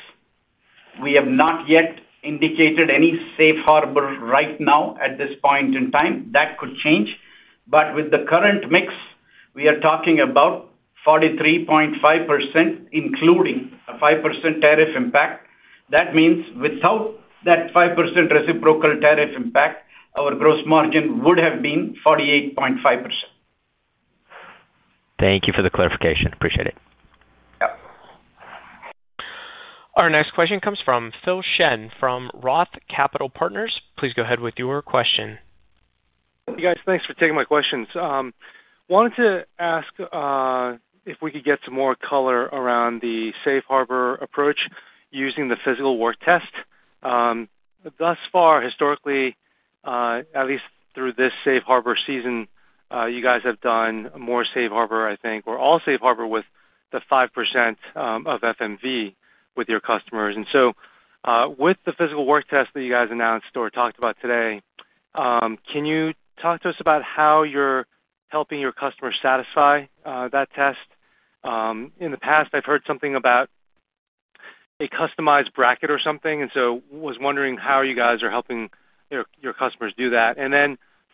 We have not yet indicated any safe harbor right now at this point in time. That could change. With the current mix, we are talking about 43.5%, including a 5% tariff impact. That means without that 5% reciprocal tariff impact, our gross margin would have been 48.5%. Thank you for the clarification. Appreciate it. Yeah. Our next question comes from Philip Shen from Roth Capital Partners. Please go ahead with your question. Hey, guys. Thanks for taking my questions. I wanted to ask if we could get some more color around the safe harbor approach using the physical work test. Thus far, historically, at least through this safe harbor season, you guys have done more safe harbor, I think, or all safe harbor with the 5% of FMV with your customers. With the physical work test that you guys announced or talked about today, can you talk to us about how you're helping your customers satisfy that test? In the past, I've heard something about a customized bracket or something, and I was wondering how you guys are helping your customers do that.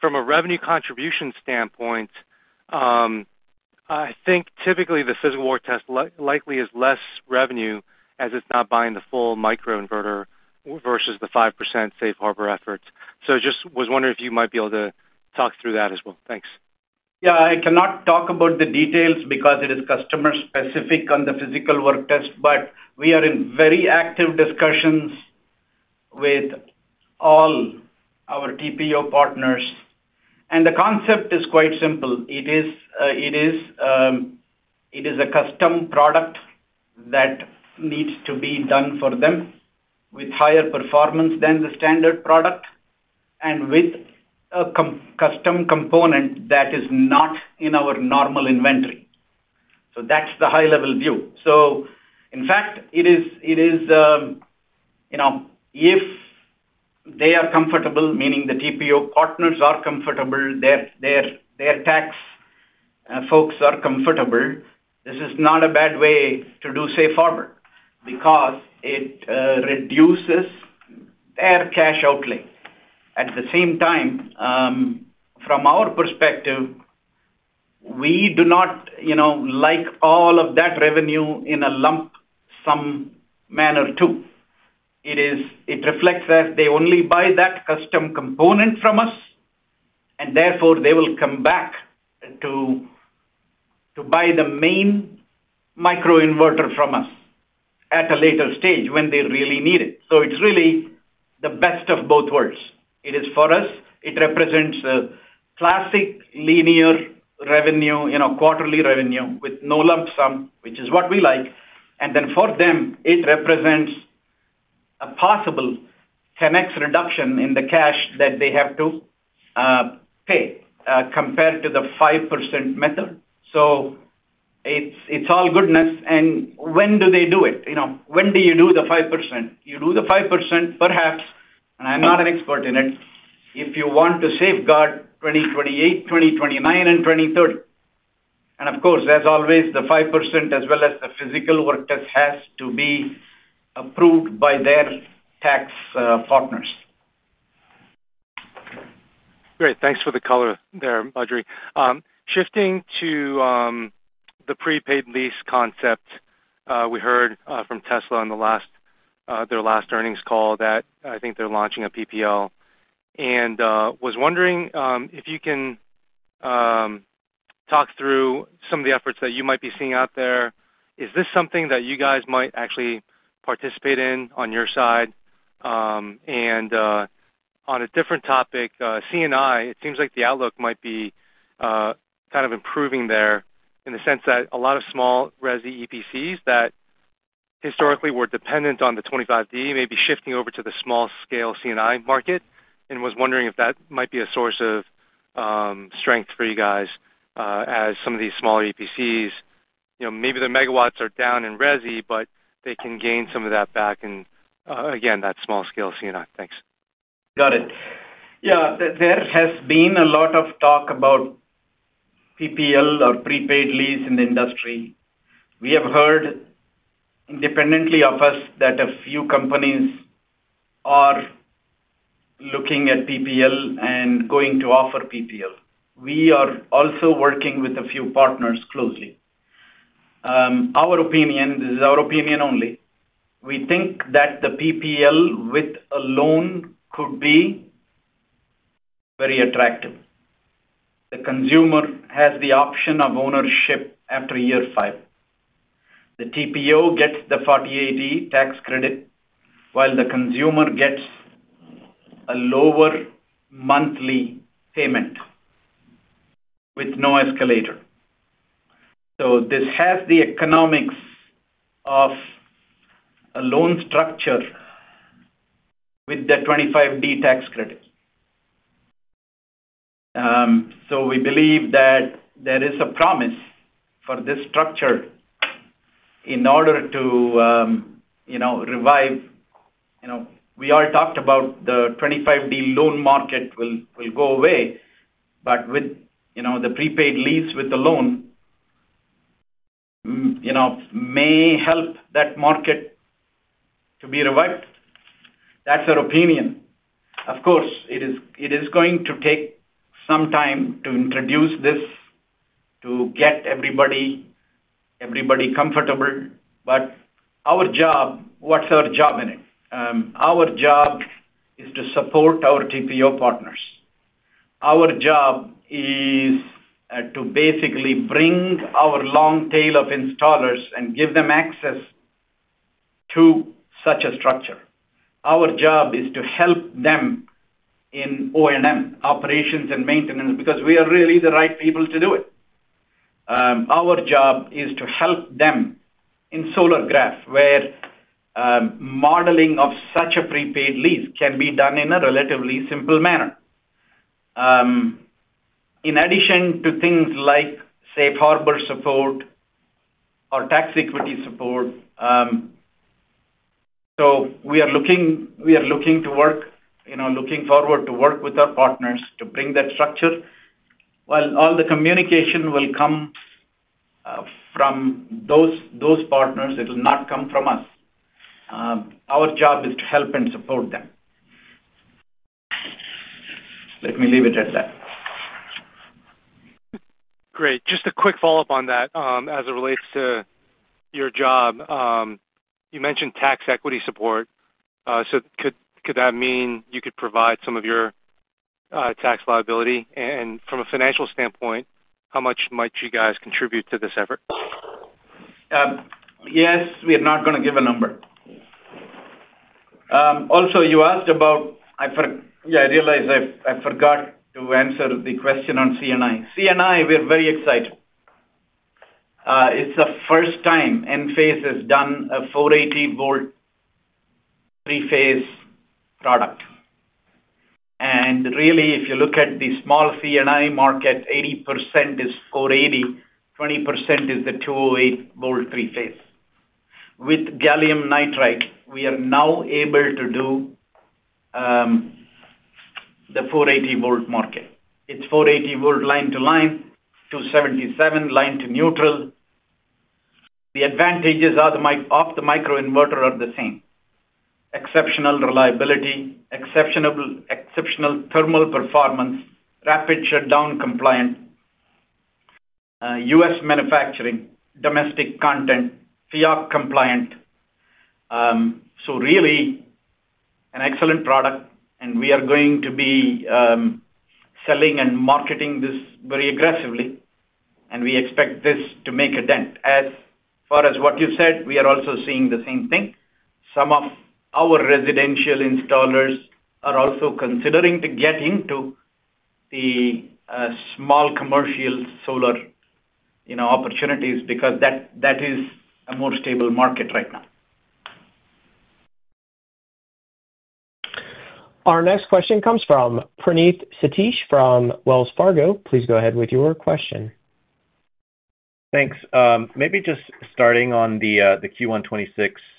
From a revenue contribution standpoint, I think typically the physical work test likely is less revenue as it's not buying the full microinverter versus the 5% safe harbor efforts. I just was wondering if you might be able to talk through that as well. Thanks. Yeah, I cannot talk about the details because it is customer-specific on the physical work test, but we are in very active discussions with all our TPO partners. The concept is quite simple. It is a custom product that needs to be done for them with higher performance than the standard product and with a custom component that is not in our normal inventory. That's the high-level view. In fact, if they are comfortable, meaning the TPO partners are comfortable, their tax folks are comfortable, this is not a bad way to do safe harbor because it reduces their cash outlay. At the same time, from our perspective, we do not like all of that revenue in a lump sum manner too. It reflects that they only buy that custom component from us, and therefore, they will come back to buy the main microinverter from us at a later stage when they really need it. It's really the best of both worlds. For us, it represents a classic linear revenue, quarterly revenue with no lump sum, which is what we like. For them, it represents a possible 10x reduction in the cash that they have to pay compared to the 5% method. It's all goodness. When do they do it? When do you do the 5%? You do the 5% perhaps, and I'm not an expert in it, if you want to safeguard 2028, 2029, and 2030. Of course, as always, the 5% as well as the physical work test has to be approved by their tax partners. Great. Thanks for the color there, Badri. Shifting to the prepaid lease concept, we heard from Tesla in their last earnings call that I think they're launching a PPL. I was wondering if you can talk through some of the efforts that you might be seeing out there. Is this something that you guys might actually participate in on your side? On a different topic, CNI, it seems like the outlook might be kind of improving there in the sense that a lot of small resi EPCs that historically were dependent on the 25D may be shifting over to the small-scale CNI market. I was wondering if that might be a source of strength for you guys as some of these smaller EPCs, you know, maybe their MWs are down in resi, but they can gain some of that back in, again, that small-scale CNI. Thanks. Got it. Yeah, there has been a lot of talk about PPL or prepaid lease in the industry. We have heard independently of us that a few companies are looking at PPL and going to offer PPL. We are also working with a few partners closely. Our opinion, this is our opinion only, we think that the PPL with a loan could be very attractive. The consumer has the option of ownership after year five. The TPO gets the 40% tax credit while the consumer gets a lower monthly payment with no escalator. This has the economics of a loan structure with the 25D tax credit. We believe that there is a promise for this structure in order to revive. We all talked about the 25D loan market will go away, but the prepaid lease with the loan may help that market to be revived. That's our opinion. Of course, it is going to take some time to introduce this to get everybody comfortable. Our job, what's our job in it? Our job is to support our TPO partners. Our job is to basically bring our long tail of installers and give them access to such a structure. Our job is to help them in O&M, operations and maintenance, because we are really the right people to do it. Our job is to help them in Solargraf, where modeling of such a prepaid lease can be done in a relatively simple manner. In addition to things like safe harbor support or tax equity support. We are looking forward to work with our partners to bring that structure. All the communication will come from those partners. It will not come from us. Our job is to help and support them. Let me leave it at that. Great. Just a quick follow-up on that as it relates to your job. You mentioned tax equity support. Could that mean you could provide some of your tax liability? From a financial standpoint, how much might you guys contribute to this effort? Yes, we are not going to give a number. Also, you asked about, yeah, I realized I forgot to answer the question on CNI. CNI, we're very excited. It's the first time Enphase has done a 480-V three-phase product. If you look at the small CNI market, 80% is 480-V, 20% is the 208-V three-phase. With gallium nitride, we are now able to do the 480-V market. It's 480-V line to line, 277 line to neutral. The advantages of the microinverter are the same: exceptional reliability, exceptional thermal performance, rapid shutdown compliance, U.S. manufacturing, domestic content, FIOC compliant. It is really an excellent product. We are going to be selling and marketing this very aggressively. We expect this to make a dent. As far as what you said, we are also seeing the same thing. Some of our residential installers are also considering to get into the small commercial solar opportunities because that is a more stable market right now. Our next question comes from Praneeth Satish from Wells Fargo. Please go ahead with your question. Thanks. Maybe just starting on the Q1 2026, our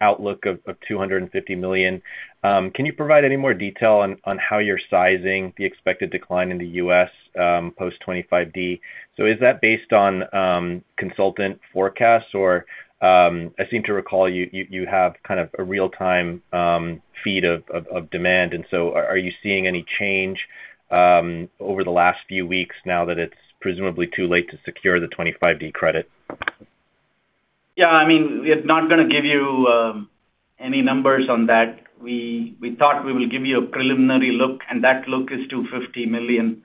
outlook of $250 million. Can you provide any more detail on how you're sizing the expected decline in the U.S. post-25D? Is that based on consultant forecasts? I seem to recall you have kind of a real-time feed of demand. Are you seeing any change over the last few weeks now that it's presumably too late to secure the 25D credit? Yeah, I mean, we are not going to give you any numbers on that. We thought we will give you a preliminary look, and that look is $250 million.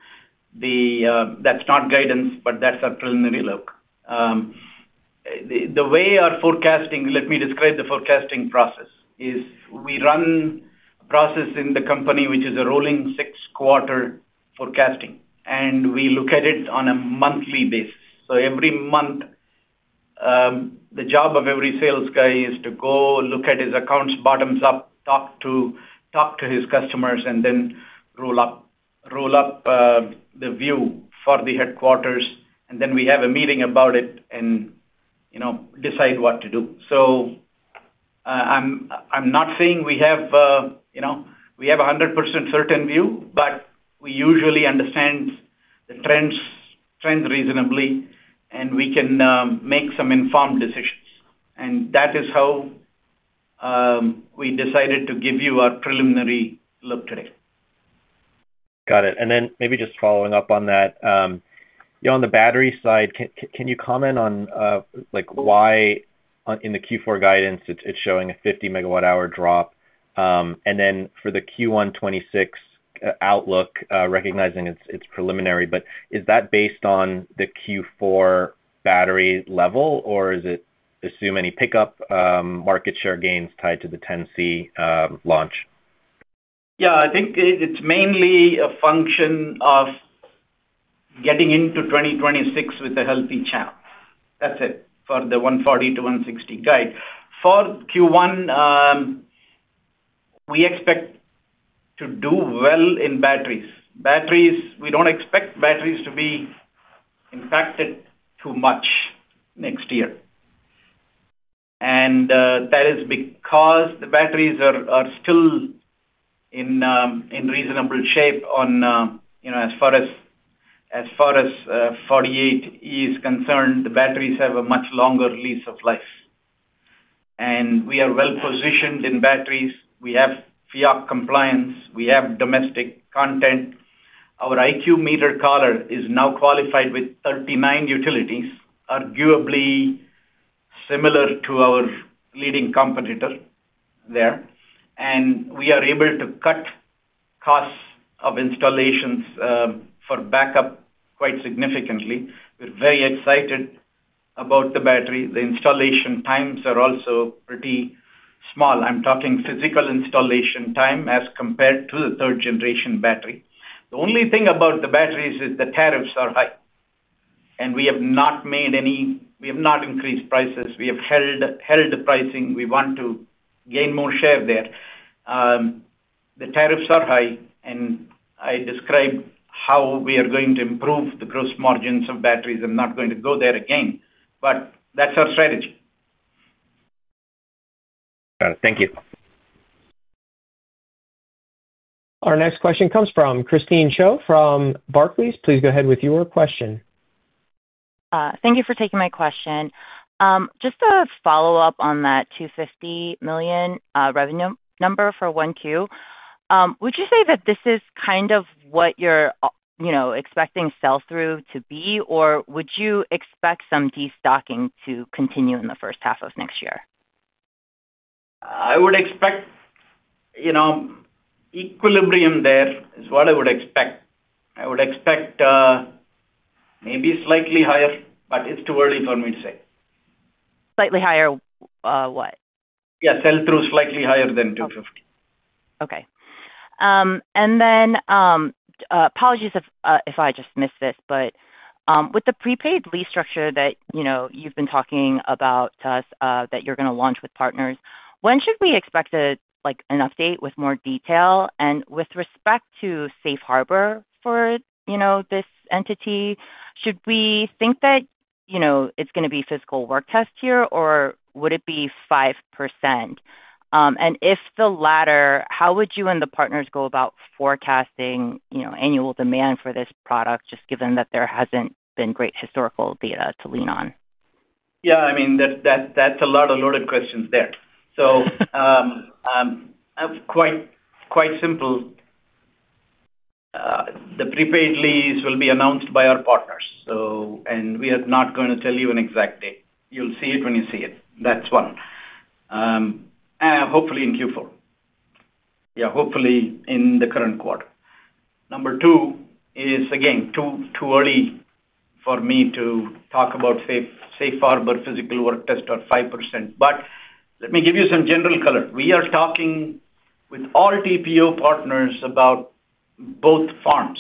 That's not guidance, but that's our preliminary look. The way our forecasting, let me describe the forecasting process, is we run a process in the company, which is a rolling six-quarter forecasting. We look at it on a monthly basis. Every month, the job of every sales guy is to go look at his accounts bottoms up, talk to his customers, and then roll up the view for the headquarters. We have a meeting about it and decide what to do. I'm not saying we have a 100% certain view, but we usually understand the trends reasonably, and we can make some informed decisions. That is how we decided to give you our preliminary look today. Got it. Maybe just following up on that, on the battery side, can you comment on why in the Q4 guidance it's showing a 50 MWh drop? For the Q1 2026 outlook, recognizing it's preliminary, is that based on the Q4 battery level, or does it assume any pickup market share gains tied to the IQ Battery 10C launch? Yeah, I think it's mainly a function of getting into 2026 with a healthy channel. That's it for the $140 million-$160 million guide. For Q1, we expect to do well in batteries. We don't expect batteries to be impacted too much next year. That is because the batteries are still in reasonable shape on, you know, as far as 48E is concerned, the batteries have a much longer lease of life. We are well positioned in batteries. We have FIOC compliance. We have domestic content. Our IQ meter collar is now qualified with 39 utilities, arguably similar to our leading competitor there. We are able to cut costs of installations for backup quite significantly. We're very excited about the battery. The installation times are also pretty small. I'm talking physical installation time as compared to the third-generation battery. The only thing about the batteries is the tariffs are high. We have not made any, we have not increased prices. We have held the pricing. We want to gain more share there. The tariffs are high, and I described how we are going to improve the gross margins of batteries. I'm not going to go there again, but that's our strategy. Got it. Thank you. Our next question comes from Christine Cho from Barclays. Please go ahead with your question. Thank you for taking my question. Just a follow-up on that $250 million revenue number for 1Q. Would you say that this is kind of what you're, you know, expecting sell-through to be, or would you expect some destocking to continue in the first half of next year? I would expect equilibrium there is what I would expect. I would expect maybe slightly higher, but it's too early for me to say. Slightly higher, what? Yeah, sell-through slightly higher than $250 million Okay. Apologies if I just missed this, but with the prepaid lease structure that you've been talking about to us that you're going to launch with partners, when should we expect an update with more detail? With respect to safe harbor for this entity, should we think that it's going to be a physical work test here, or would it be 5%? If the latter, how would you and the partners go about forecasting annual demand for this product, just given that there hasn't been great historical data to lean on? Yeah, I mean, that's a lot of loaded questions there. I'm quite simple. The prepaid lease will be announced by our partners, and we are not going to tell you an exact date. You'll see it when you see it. That's one. Hopefully in Q4, hopefully in the current quarter. Number two is, again, too early for me to talk about safe harbor physical work test or 5%. Let me give you some general color. We are talking with all TPO partners about both forms.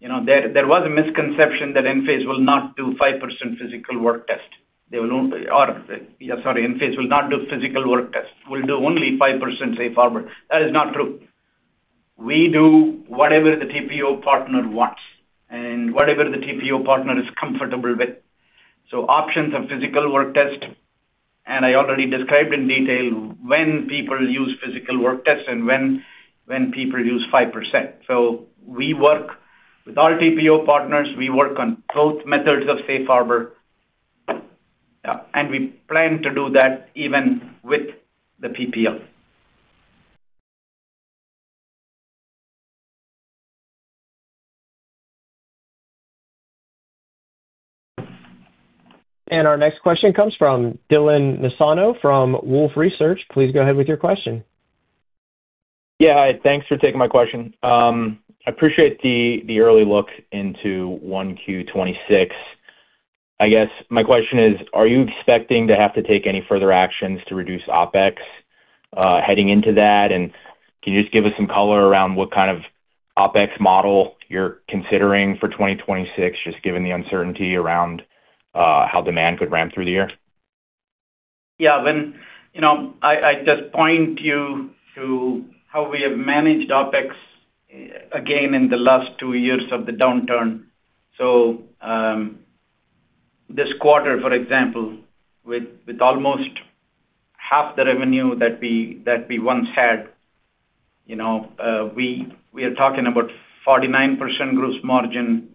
There was a misconception that Enphase will not do 5% physical work test. They will, or, yeah, sorry, Enphase will not do physical work test. We'll do only 5% safe harbor. That is not true. We do whatever the TPO partner wants and whatever the TPO partner is comfortable with. So options of physical work test and already Described in detail when people use physical work tests and when people use 5%. We work with all TPO partners. We work on both methods of safe harbor, and we plan to do that even with the PPO. Our next question comes from Dylan Nassano from Wolfe Research. Please go ahead with your question. Hi. Thanks for taking my question. I appreciate the early look into 1Q 2026. I guess my question is, are you expecting to have to take any further actions to reduce OpEx heading into that? Can you just give us some color around what kind of OpEx model you're considering for 2026, just given the uncertainty around how demand could ramp through the year? I just point you to how we have managed OpEx again in the last two years of the downturn. This quarter, for example, with almost half the revenue that we once had, we are talking about 49% gross margin.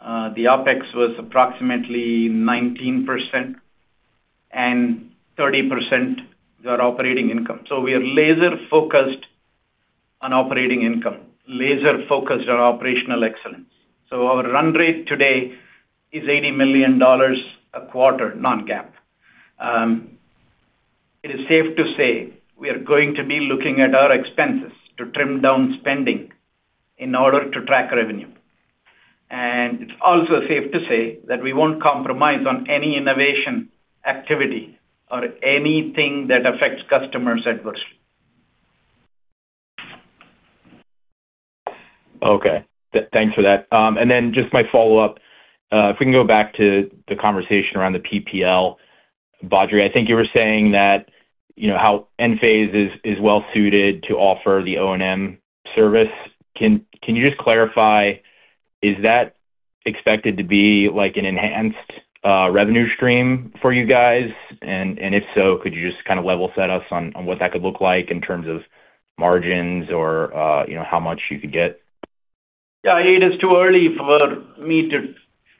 The OpEx was approximately 19% and 30% of our operating income. We are laser-focused on operating income, laser-focused on operational excellence. Our run rate today is $80 million a quarter, non-GAAP. It is safe to say we are going to be looking at our expenses to trim down spending in order to track revenue. It's also safe to say that we won't compromise on any innovation activity or anything that affects customers adversely. Okay. Thanks for that. Just my follow-up, if we can go back to the conversation around the PPL, Badri, I think you were saying that, you know, how Enphase is well-suited to offer the O&M service. Can you just clarify, is that expected to be like an enhanced revenue stream for you guys? If so, could you just kind of level-set us on what that could look like in terms of margins or, you know, how much you could get? Yeah. It is too early for me to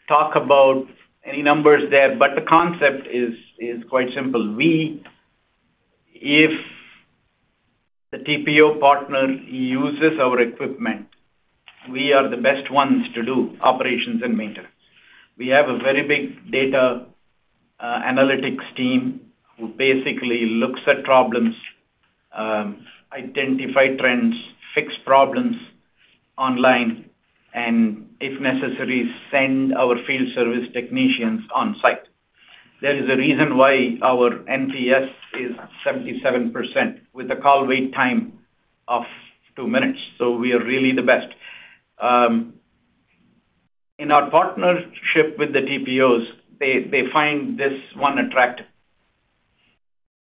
talk about any numbers there, but the concept is quite simple. If the TPO partner uses our equipment, we are the best ones to do operations and maintenance. We have a very big data analytics team who basically looks at problems, identifies trends, fixes problems online, and if necessary, sends our field service technicians on site. There is a reason why our NPS is 77% with a call wait time of two minutes. We are really the best. In our partnership with the TPOs, they find this one attractive.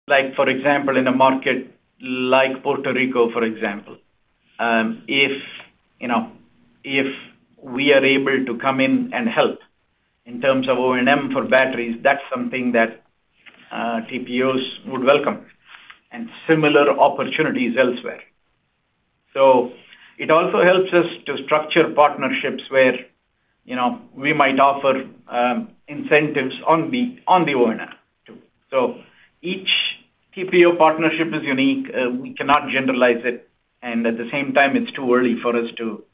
For example, in a market like Puerto Rico, if we are able to come in and help in terms of O&M for batteries, that's something that TPOs would welcome and similar opportunities elsewhere. It also helps us to structure partnerships where we might offer incentives on the O&M too. Each TPO partnership is unique. We cannot generalize it. At the same time, it's too early for us to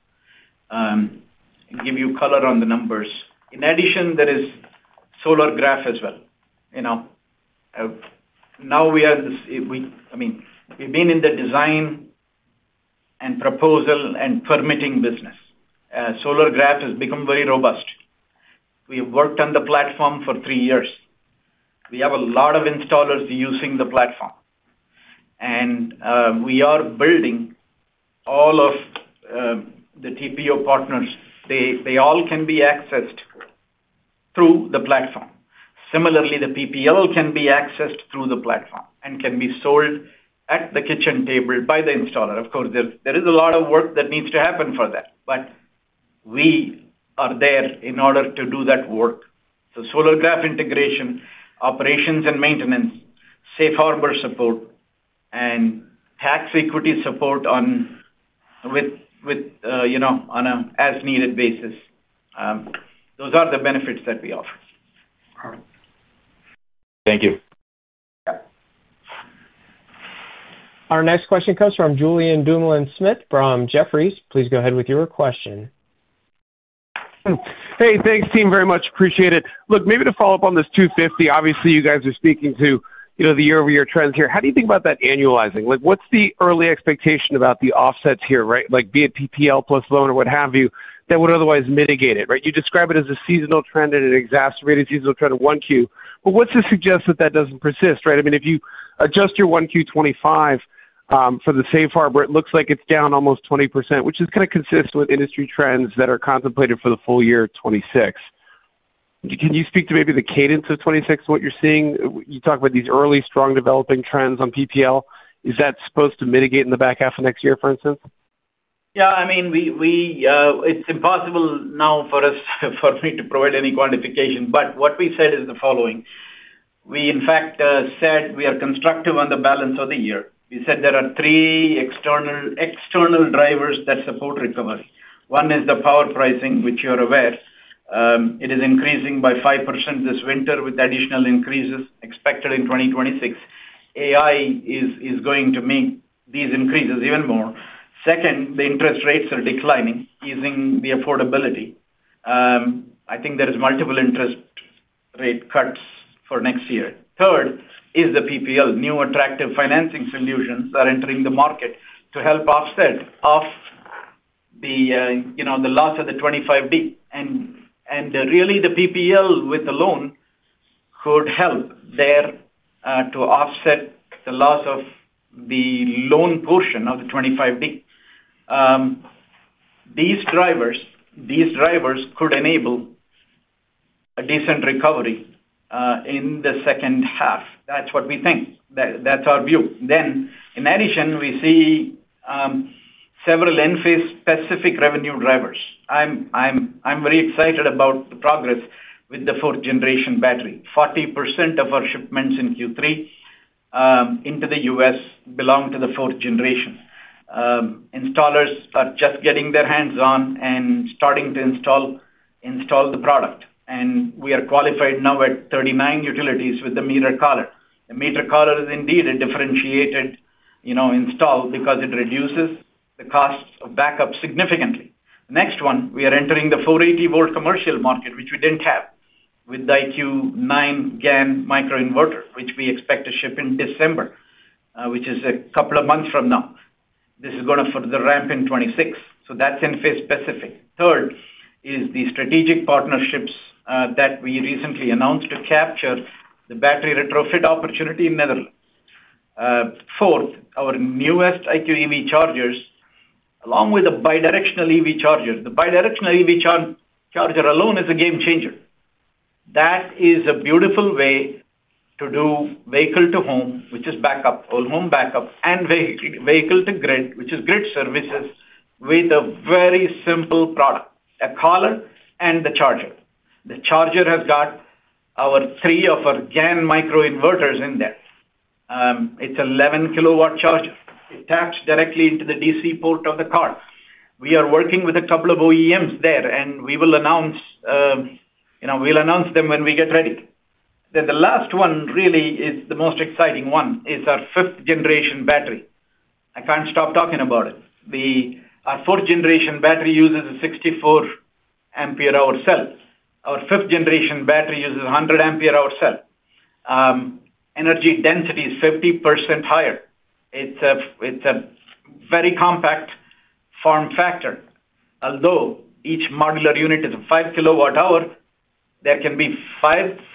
give you color on the numbers. In addition, there is Solargraf as well. Now we are in this, we, I mean, we've been in the design and proposal and permitting business. Solargraf has become very robust. We have worked on the platform for three years. We have a lot of installers using the platform, and we are building all of the TPO partners. They all can be accessed through the platform. Similarly, the PPL can be accessed through the platform and can be sold at the kitchen table by the installer. Of course, there is a lot of work that needs to happen for that, but we are there in order to do that work. Solargraf integration, operations and maintenance, safe harbor support, and tax equity support on an as-needed basis, those are the benefits that we offer. All right. Thank you. Yeah. Our next question comes from Julien Dumoulin-Smith from Jefferies. Please go ahead with your question. Hey, thanks, team, very much. Appreciate it. Look, maybe to follow up on this $250 million, obviously, you guys are speaking to, you know, the year-over-year trends here. How do you think about that annualizing? Like, what's the early expectation about the offsets here, right? Like, be it PPL plus loan or what have you, that would otherwise mitigate it, right? You describe it as a seasonal trend and an exacerbated seasonal trend of Q1. What's to suggest that that doesn't persist, right? I mean, if you adjust your Q1 2025 for the safe harbor, it looks like it's down almost 20%, which is kind of consistent with industry trends that are contemplated for the full year of 2026. Can you speak to maybe the cadence of 2026 and what you're seeing? You talk about these early strong developing trends on PPL. Is that supposed to mitigate in the back half of next year, for instance? Yeah. I mean, it's impossible now for us, for me to provide any quantification. What we said is the following. We, in fact, said we are constructive on the balance of the year. We said there are three external drivers that support recovery. One is the power pricing, which you are aware, it is increasing by 5% this winter with additional increases expected in 2026. AI is going to make these increases even more. Second, the interest rates are declining, easing the affordability. I think there are multiple interest rate cuts for next year. Third is the PPL. New attractive financing solutions are entering the market to help offset the loss of the 25D tax credit. The PPL with the loan could help there, to offset the loss of the loan portion of the 25D tax credit. These drivers could enable a decent recovery in the second half. That's what we think. That's our view. In addition, we see several Enphase-specific revenue drivers. I'm very excited about the progress with the fourth-generation battery. 40% of our shipments in Q3 into the U.S. belong to the fourth generation. Installers are just getting their hands on and starting to install the product. We are qualified now at 39 utilities with the meter collar. The meter collar is indeed a differentiated install because it reduces the cost of backup significantly. The next one, we are entering the 480-V commercial market, which we didn't have, with the IQ9 GaN microinverter, which we expect to ship in December, which is a couple of months from now. This is going to further ramp in 2026. That's Enphase-specific. Third is the strategic partnerships that we recently announced to capture the battery retrofit opportunity in the Netherlands. Fourth, our newest IQ EV chargers, along with a bidirectional EV charger. The bidirectional EV charger alone is a game changer. That is a beautiful way to do vehicle-to-home, which is backup, all-home backup, and vehicle-to-grid, which is grid services with a very simple product, a collar and the charger. The charger has got three of our GaN microinverters in there. It's an 11-KW charger. It taps directly into the DC port of the car. We are working with a couple of OEMs there, and we will announce them when we get ready. The last one really is the most exciting one, our fifth-generation battery. I can't stop talking about it. Our fourth-generation battery uses a 64-ampere-hour cell. Our fifth-generation battery uses a 100-ampere-hour cell. Energy density is 50% higher. It's a very compact form factor. Although each modular unit is a 5-KW-hour, there can be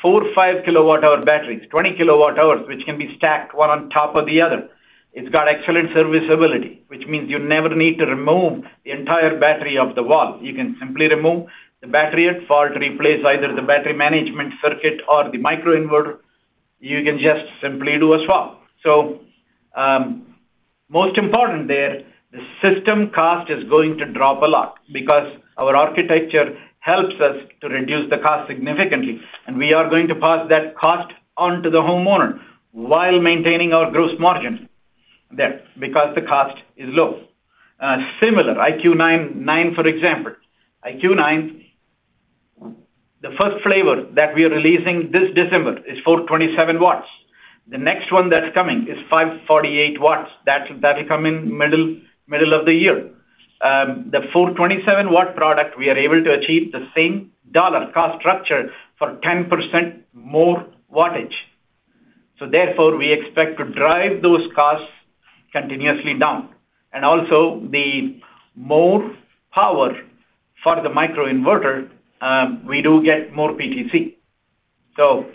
four 5-KW-hour batteries, 20-KW-hours, which can be stacked one on top of the other. It's got excellent serviceability, which means you never need to remove the entire battery off the wall. You can simply remove the battery at fault, replace either the battery management circuit or the microinverter. You can just simply do a swap. Most important there, the system cost is going to drop a lot because our architecture helps us to reduce the cost significantly. We are going to pass that cost onto the homeowner while maintaining our gross margin there because the cost is low. Similar, IQ9 for example. IQ9, the first flavor that we are releasing this December is 427 W. The next one that's coming is 548 W. That'll come in the middle of the year. The 427-W product, we are able to achieve the same dollar-cost structure for 10% more wattage. Therefore, we expect to drive those costs continuously down. Also, the more power for the microinverter, we do get more PTC. Those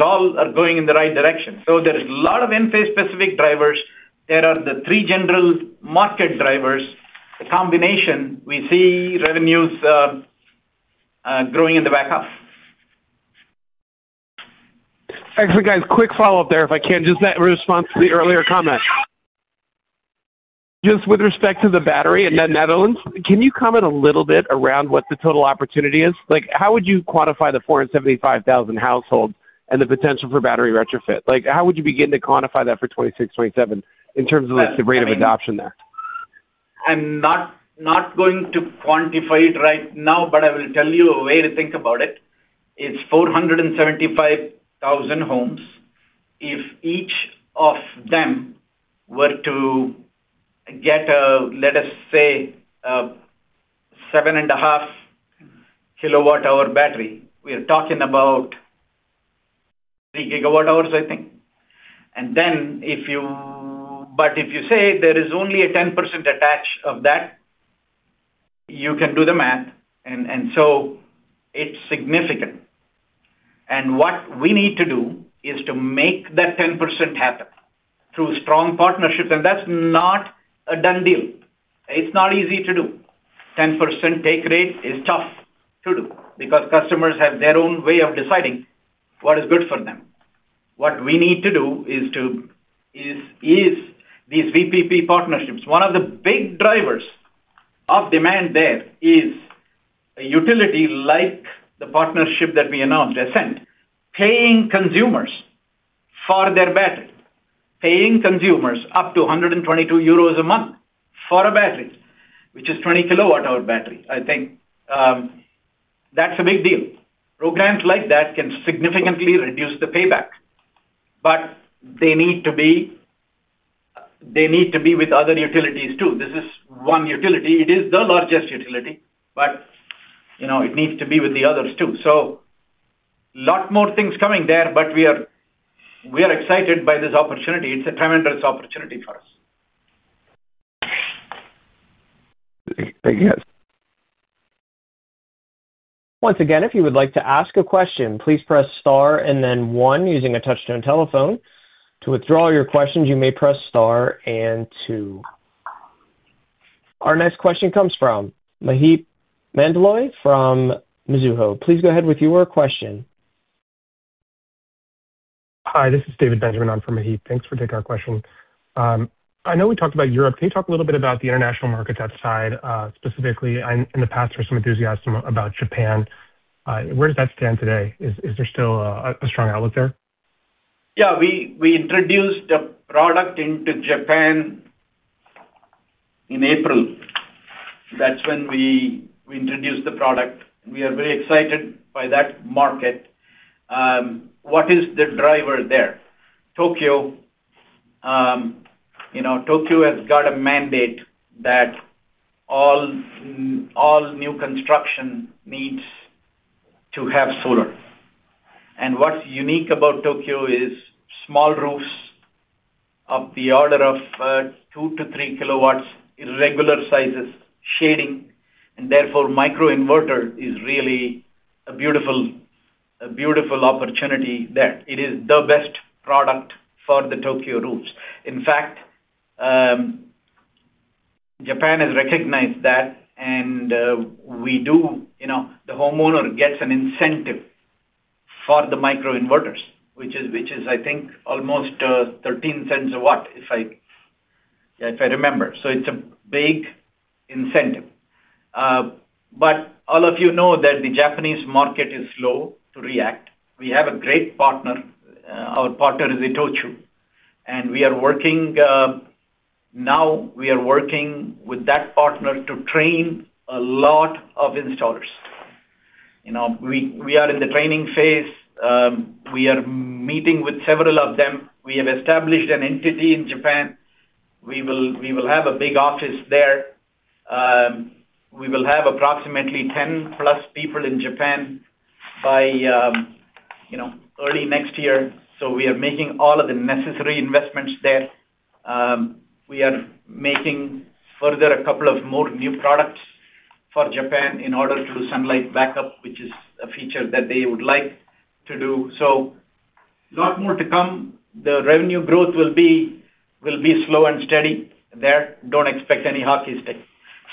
all are going in the right direction. There are a lot of Enphase-specific drivers. There are the three general market drivers. The combination, we see revenues, growing in the back half. Actually, quick follow-up there, if I can, just that response to the earlier comment. Just with respect to the battery in the Netherlands, can you comment a little bit around what the total opportunity is? How would you quantify the 475,000 households and the potential for battery retrofit? How would you begin to quantify that for 2026, 2027 in terms of the rate of adoption there? I'm not going to quantify it right now, but I will tell you a way to think about it. It's 475,000 homes. If each of them were to get a, let us say, a 7.5 KW-hour battery, we are talking about 3 GW-hours, I think. If you say there is only a 10% attach of that, you can do the math. It's significant. What we need to do is to make that 10% happen through strong partnerships. That's not a done deal. It's not easy to do. 10% take rate is tough to do because customers have their own way of deciding what is good for them. What we need to do is these VPP partnerships. One of the big drivers of demand there is a utility like the partnership that we announced, Essent, paying consumers for their battery, paying consumers up to 122 euros a month for a battery, which is a 20 KW-hour battery, I think. That's a big deal. Programs like that can significantly reduce the payback. They need to be with other utilities too. This is one utility. It is the largest utility, but it needs to be with the others too. A lot more things coming there, but we are excited by this opportunity. It's a tremendous opportunity for us. Big, big yes. Once again, if you would like to ask a question, please press star and then one using a touch-tone telephone. To withdraw your questions, you may press star and two. Our next question comes from Maheep Mandloi from Mizuho. Please go ahead with your question. Hi. This is David Benjamin from Maheep. Thanks for taking our question. I know we talked about Europe. Can you talk a little bit about the international markets outside, specifically? In the past, there was some enthusiasm about Japan. Where does that stand today? Is there still a strong outlook there? Yeah. We introduced a product into Japan in April. That's when we introduced the product. We are very excited by that market. What is the driver there? Tokyo. You know, Tokyo has got a mandate that all new construction needs to have solar. What's unique about Tokyo is small roofs of the order of 2 KW-3 KW, irregular sizes, shading. Therefore, microinverter is really a beautiful, a beautiful opportunity there. It is the best product for the Tokyo roofs. In fact, Japan has recognized that, and the homeowner gets an incentive for the microinverters, which is, I think, almost $0.13 a watt, if I remember. It's a big incentive. All of you know that the Japanese market is slow to react. We have a great partner. Our partner is Hitachi. We are working with that partner to train a lot of installers. We are in the training phase. We are meeting with several of them. We have established an entity in Japan. We will have a big office there. We will have approximately 10+ people in Japan by early next year. We are making all of the necessary investments there. We are making further a couple of more new products for Japan in order to do sunlight backup, which is a feature that they would like to do. A lot more to come. The revenue growth will be slow and steady there. Don't expect any hockey stick.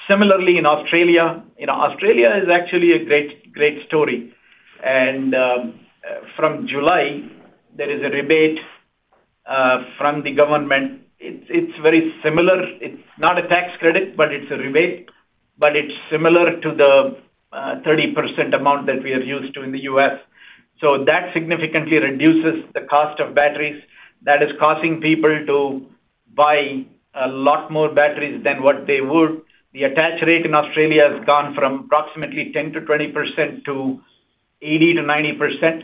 Similarly, in Australia, Australia is actually a great, great story. From July, there is a rebate from the government. It's very similar. It's not a tax credit, but it's a rebate. It's similar to the 30% amount that we are used to in the U.S. That significantly reduces the cost of batteries that is causing people to buy a lot more batteries than what they would. The attach rate in Australia has gone from approximately 10%-20% to 80%-90%.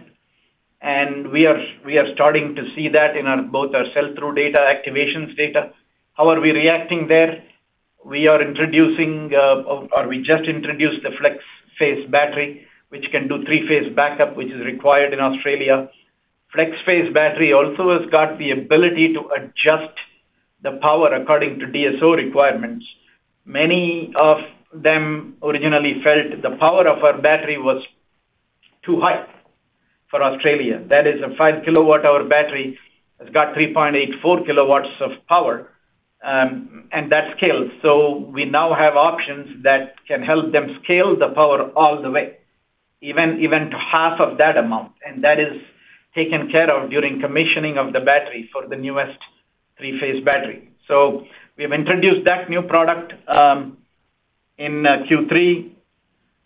We are starting to see that in both our sell-through data, activations data. How are we reacting there? We are introducing, or we just introduced, the FlexPhase battery, which can do three-phase backup, which is required in Australia. FlexPhase battery also has got the ability to adjust the power according to DSO requirements. Many of them originally felt the power of our battery was too high for Australia. That is, a 5-KW-hour battery has got 3.84 KW of power, and that scales. We now have options that can help them scale the power all the way, even to half of that amount. That is taken care of during commissioning of the battery for the newest three-phase battery. We have introduced that new product in Q3.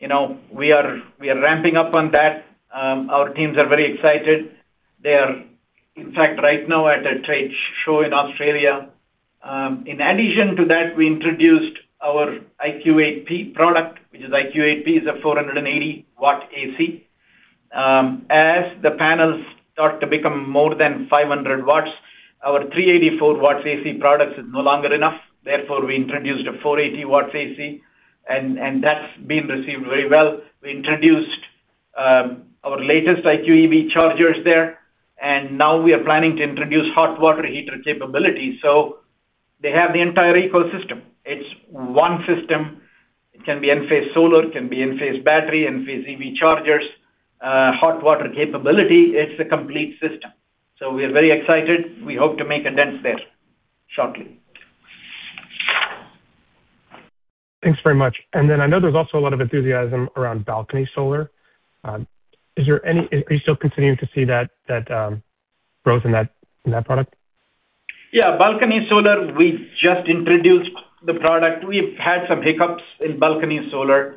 We are ramping up on that. Our teams are very excited. They are, in fact, right now at a trade show in Australia. In addition to that, we introduced our IQ8P product, which is IQ8P is a 480-W AC. As the panels start to become more than 500 W, our 384-W AC product is no longer enough. Therefore, we introduced a 480-watt AC, and that's been received very well. We introduced our latest IQ EV chargers there. We are planning to introduce hot water heater capabilities. They have the entire ecosystem. It's one system. It can be Enphase solar, can be Enphase battery, Enphase EV chargers, hot water capability. It's a complete system. We are very excited. We hope to make a dent there shortly. Thanks very much. I know there's also a lot of enthusiasm around Balcony Solar. Is there any, are you still continuing to see that growth in that product? Yeah. Balcony Solar, we just introduced the product. We've had some hiccups in Balcony Solar,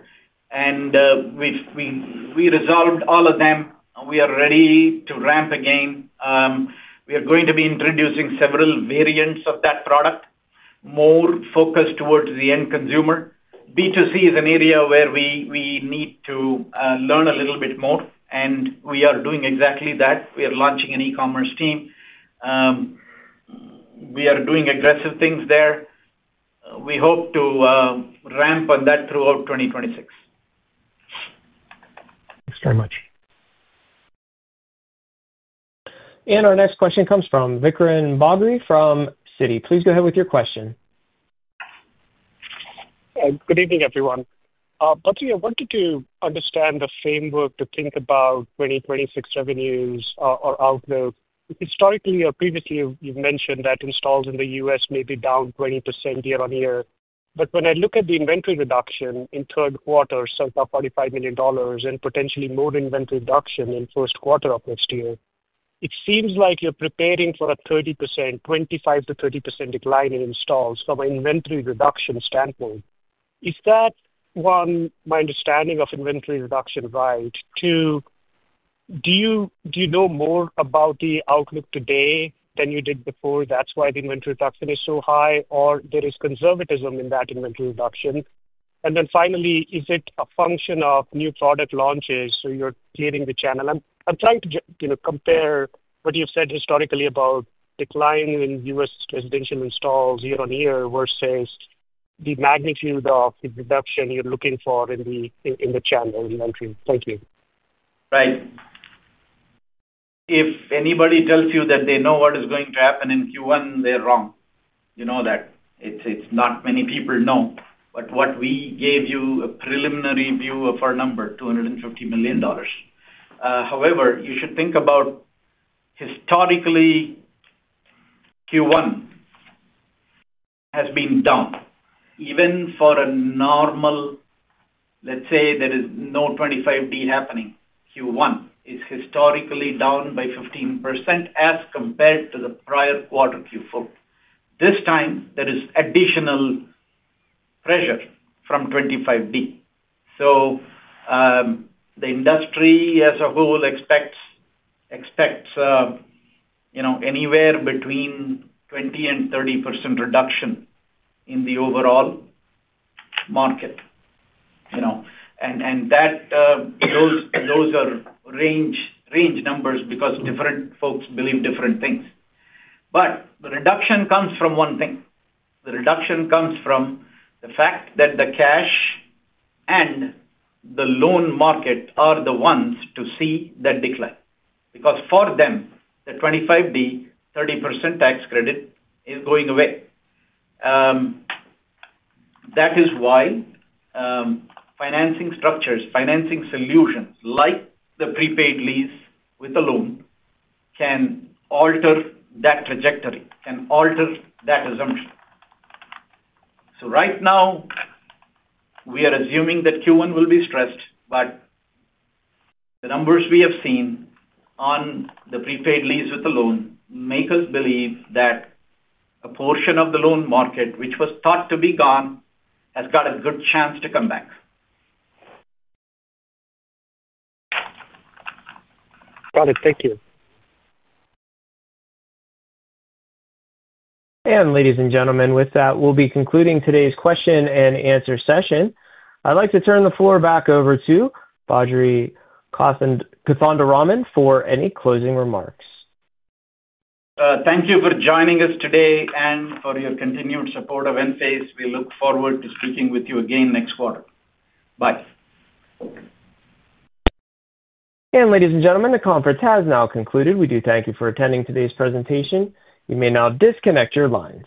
and we've resolved all of them. We are ready to ramp again. We are going to be introducing several variants of that product, more focused towards the end consumer. B2C is an area where we need to learn a little bit more, and we are doing exactly that. We are launching an e-commerce team. We are doing aggressive things there. We hope to ramp on that throughout 2026. Thanks very much. Our next question comes from Vikram Bagri from Citi. Please go ahead with your question. Good evening, everyone. We wanted to understand the framework to think about 2026 revenues or outlook. Historically, or previously, you've mentioned that installs in the U.S. may be down 20% year-on-year. When I look at the inventory reduction in the third quarter, it's about $45 million, and potentially more inventory reduction in the first quarter of next year, it seems like you're preparing for a 25%-30% decline in installs from an inventory reduction standpoint. Is my understanding of inventory reduction right? Do you know more about the outlook today than you did before? Is that why the inventory reduction is so high, or is there conservatism in that inventory reduction? Finally, is it a function of new product launches, so you're clearing the channel? I'm trying to compare what you've said historically about decline in U.S. residential installs year-on-year versus the magnitude of the reduction you're looking for in the channel inventory. Thank you. Right. If anybody tells you that they know what is going to happen in Q1, they're wrong. You know that. Not many people know. What we gave you is a preliminary view of our number, $250 million. However, you should think about historically, Q1 has been down. Even for a normal, let's say there is no 25D happening, Q1 is historically down by 15% as compared to the prior quarter, Q4. This time, there is additional pressure from 25D. The industry as a whole expects anywhere between 20% and 30% reduction in the overall market. Those are range numbers because different folks believe different things. The reduction comes from one thing. The reduction comes from the fact that the cash and the loan market are the ones to see that decline because for them, the 25D 30% tax credit is going away. That is why financing structures, financing solutions like the prepaid lease with a loan can alter that trajectory, can alter that assumption. Right now, we are assuming that Q1 will be stressed, but the numbers we have seen on the prepaid lease with a loan make us believe that a portion of the loan market, which was thought to be gone, has got a good chance to come back. Got it. Thank you. Ladies and gentlemen, with that, we'll be concluding today's question and answer session. I'd like to turn the floor back over to Badri Kothandaraman for any closing remarks. Thank you for joining us today and for your continued support of Enphase Energy. We look forward to speaking with you again next quarter. Bye. Ladies and gentlemen, the conference has now concluded. We do thank you for attending today's presentation. You may now disconnect your lines.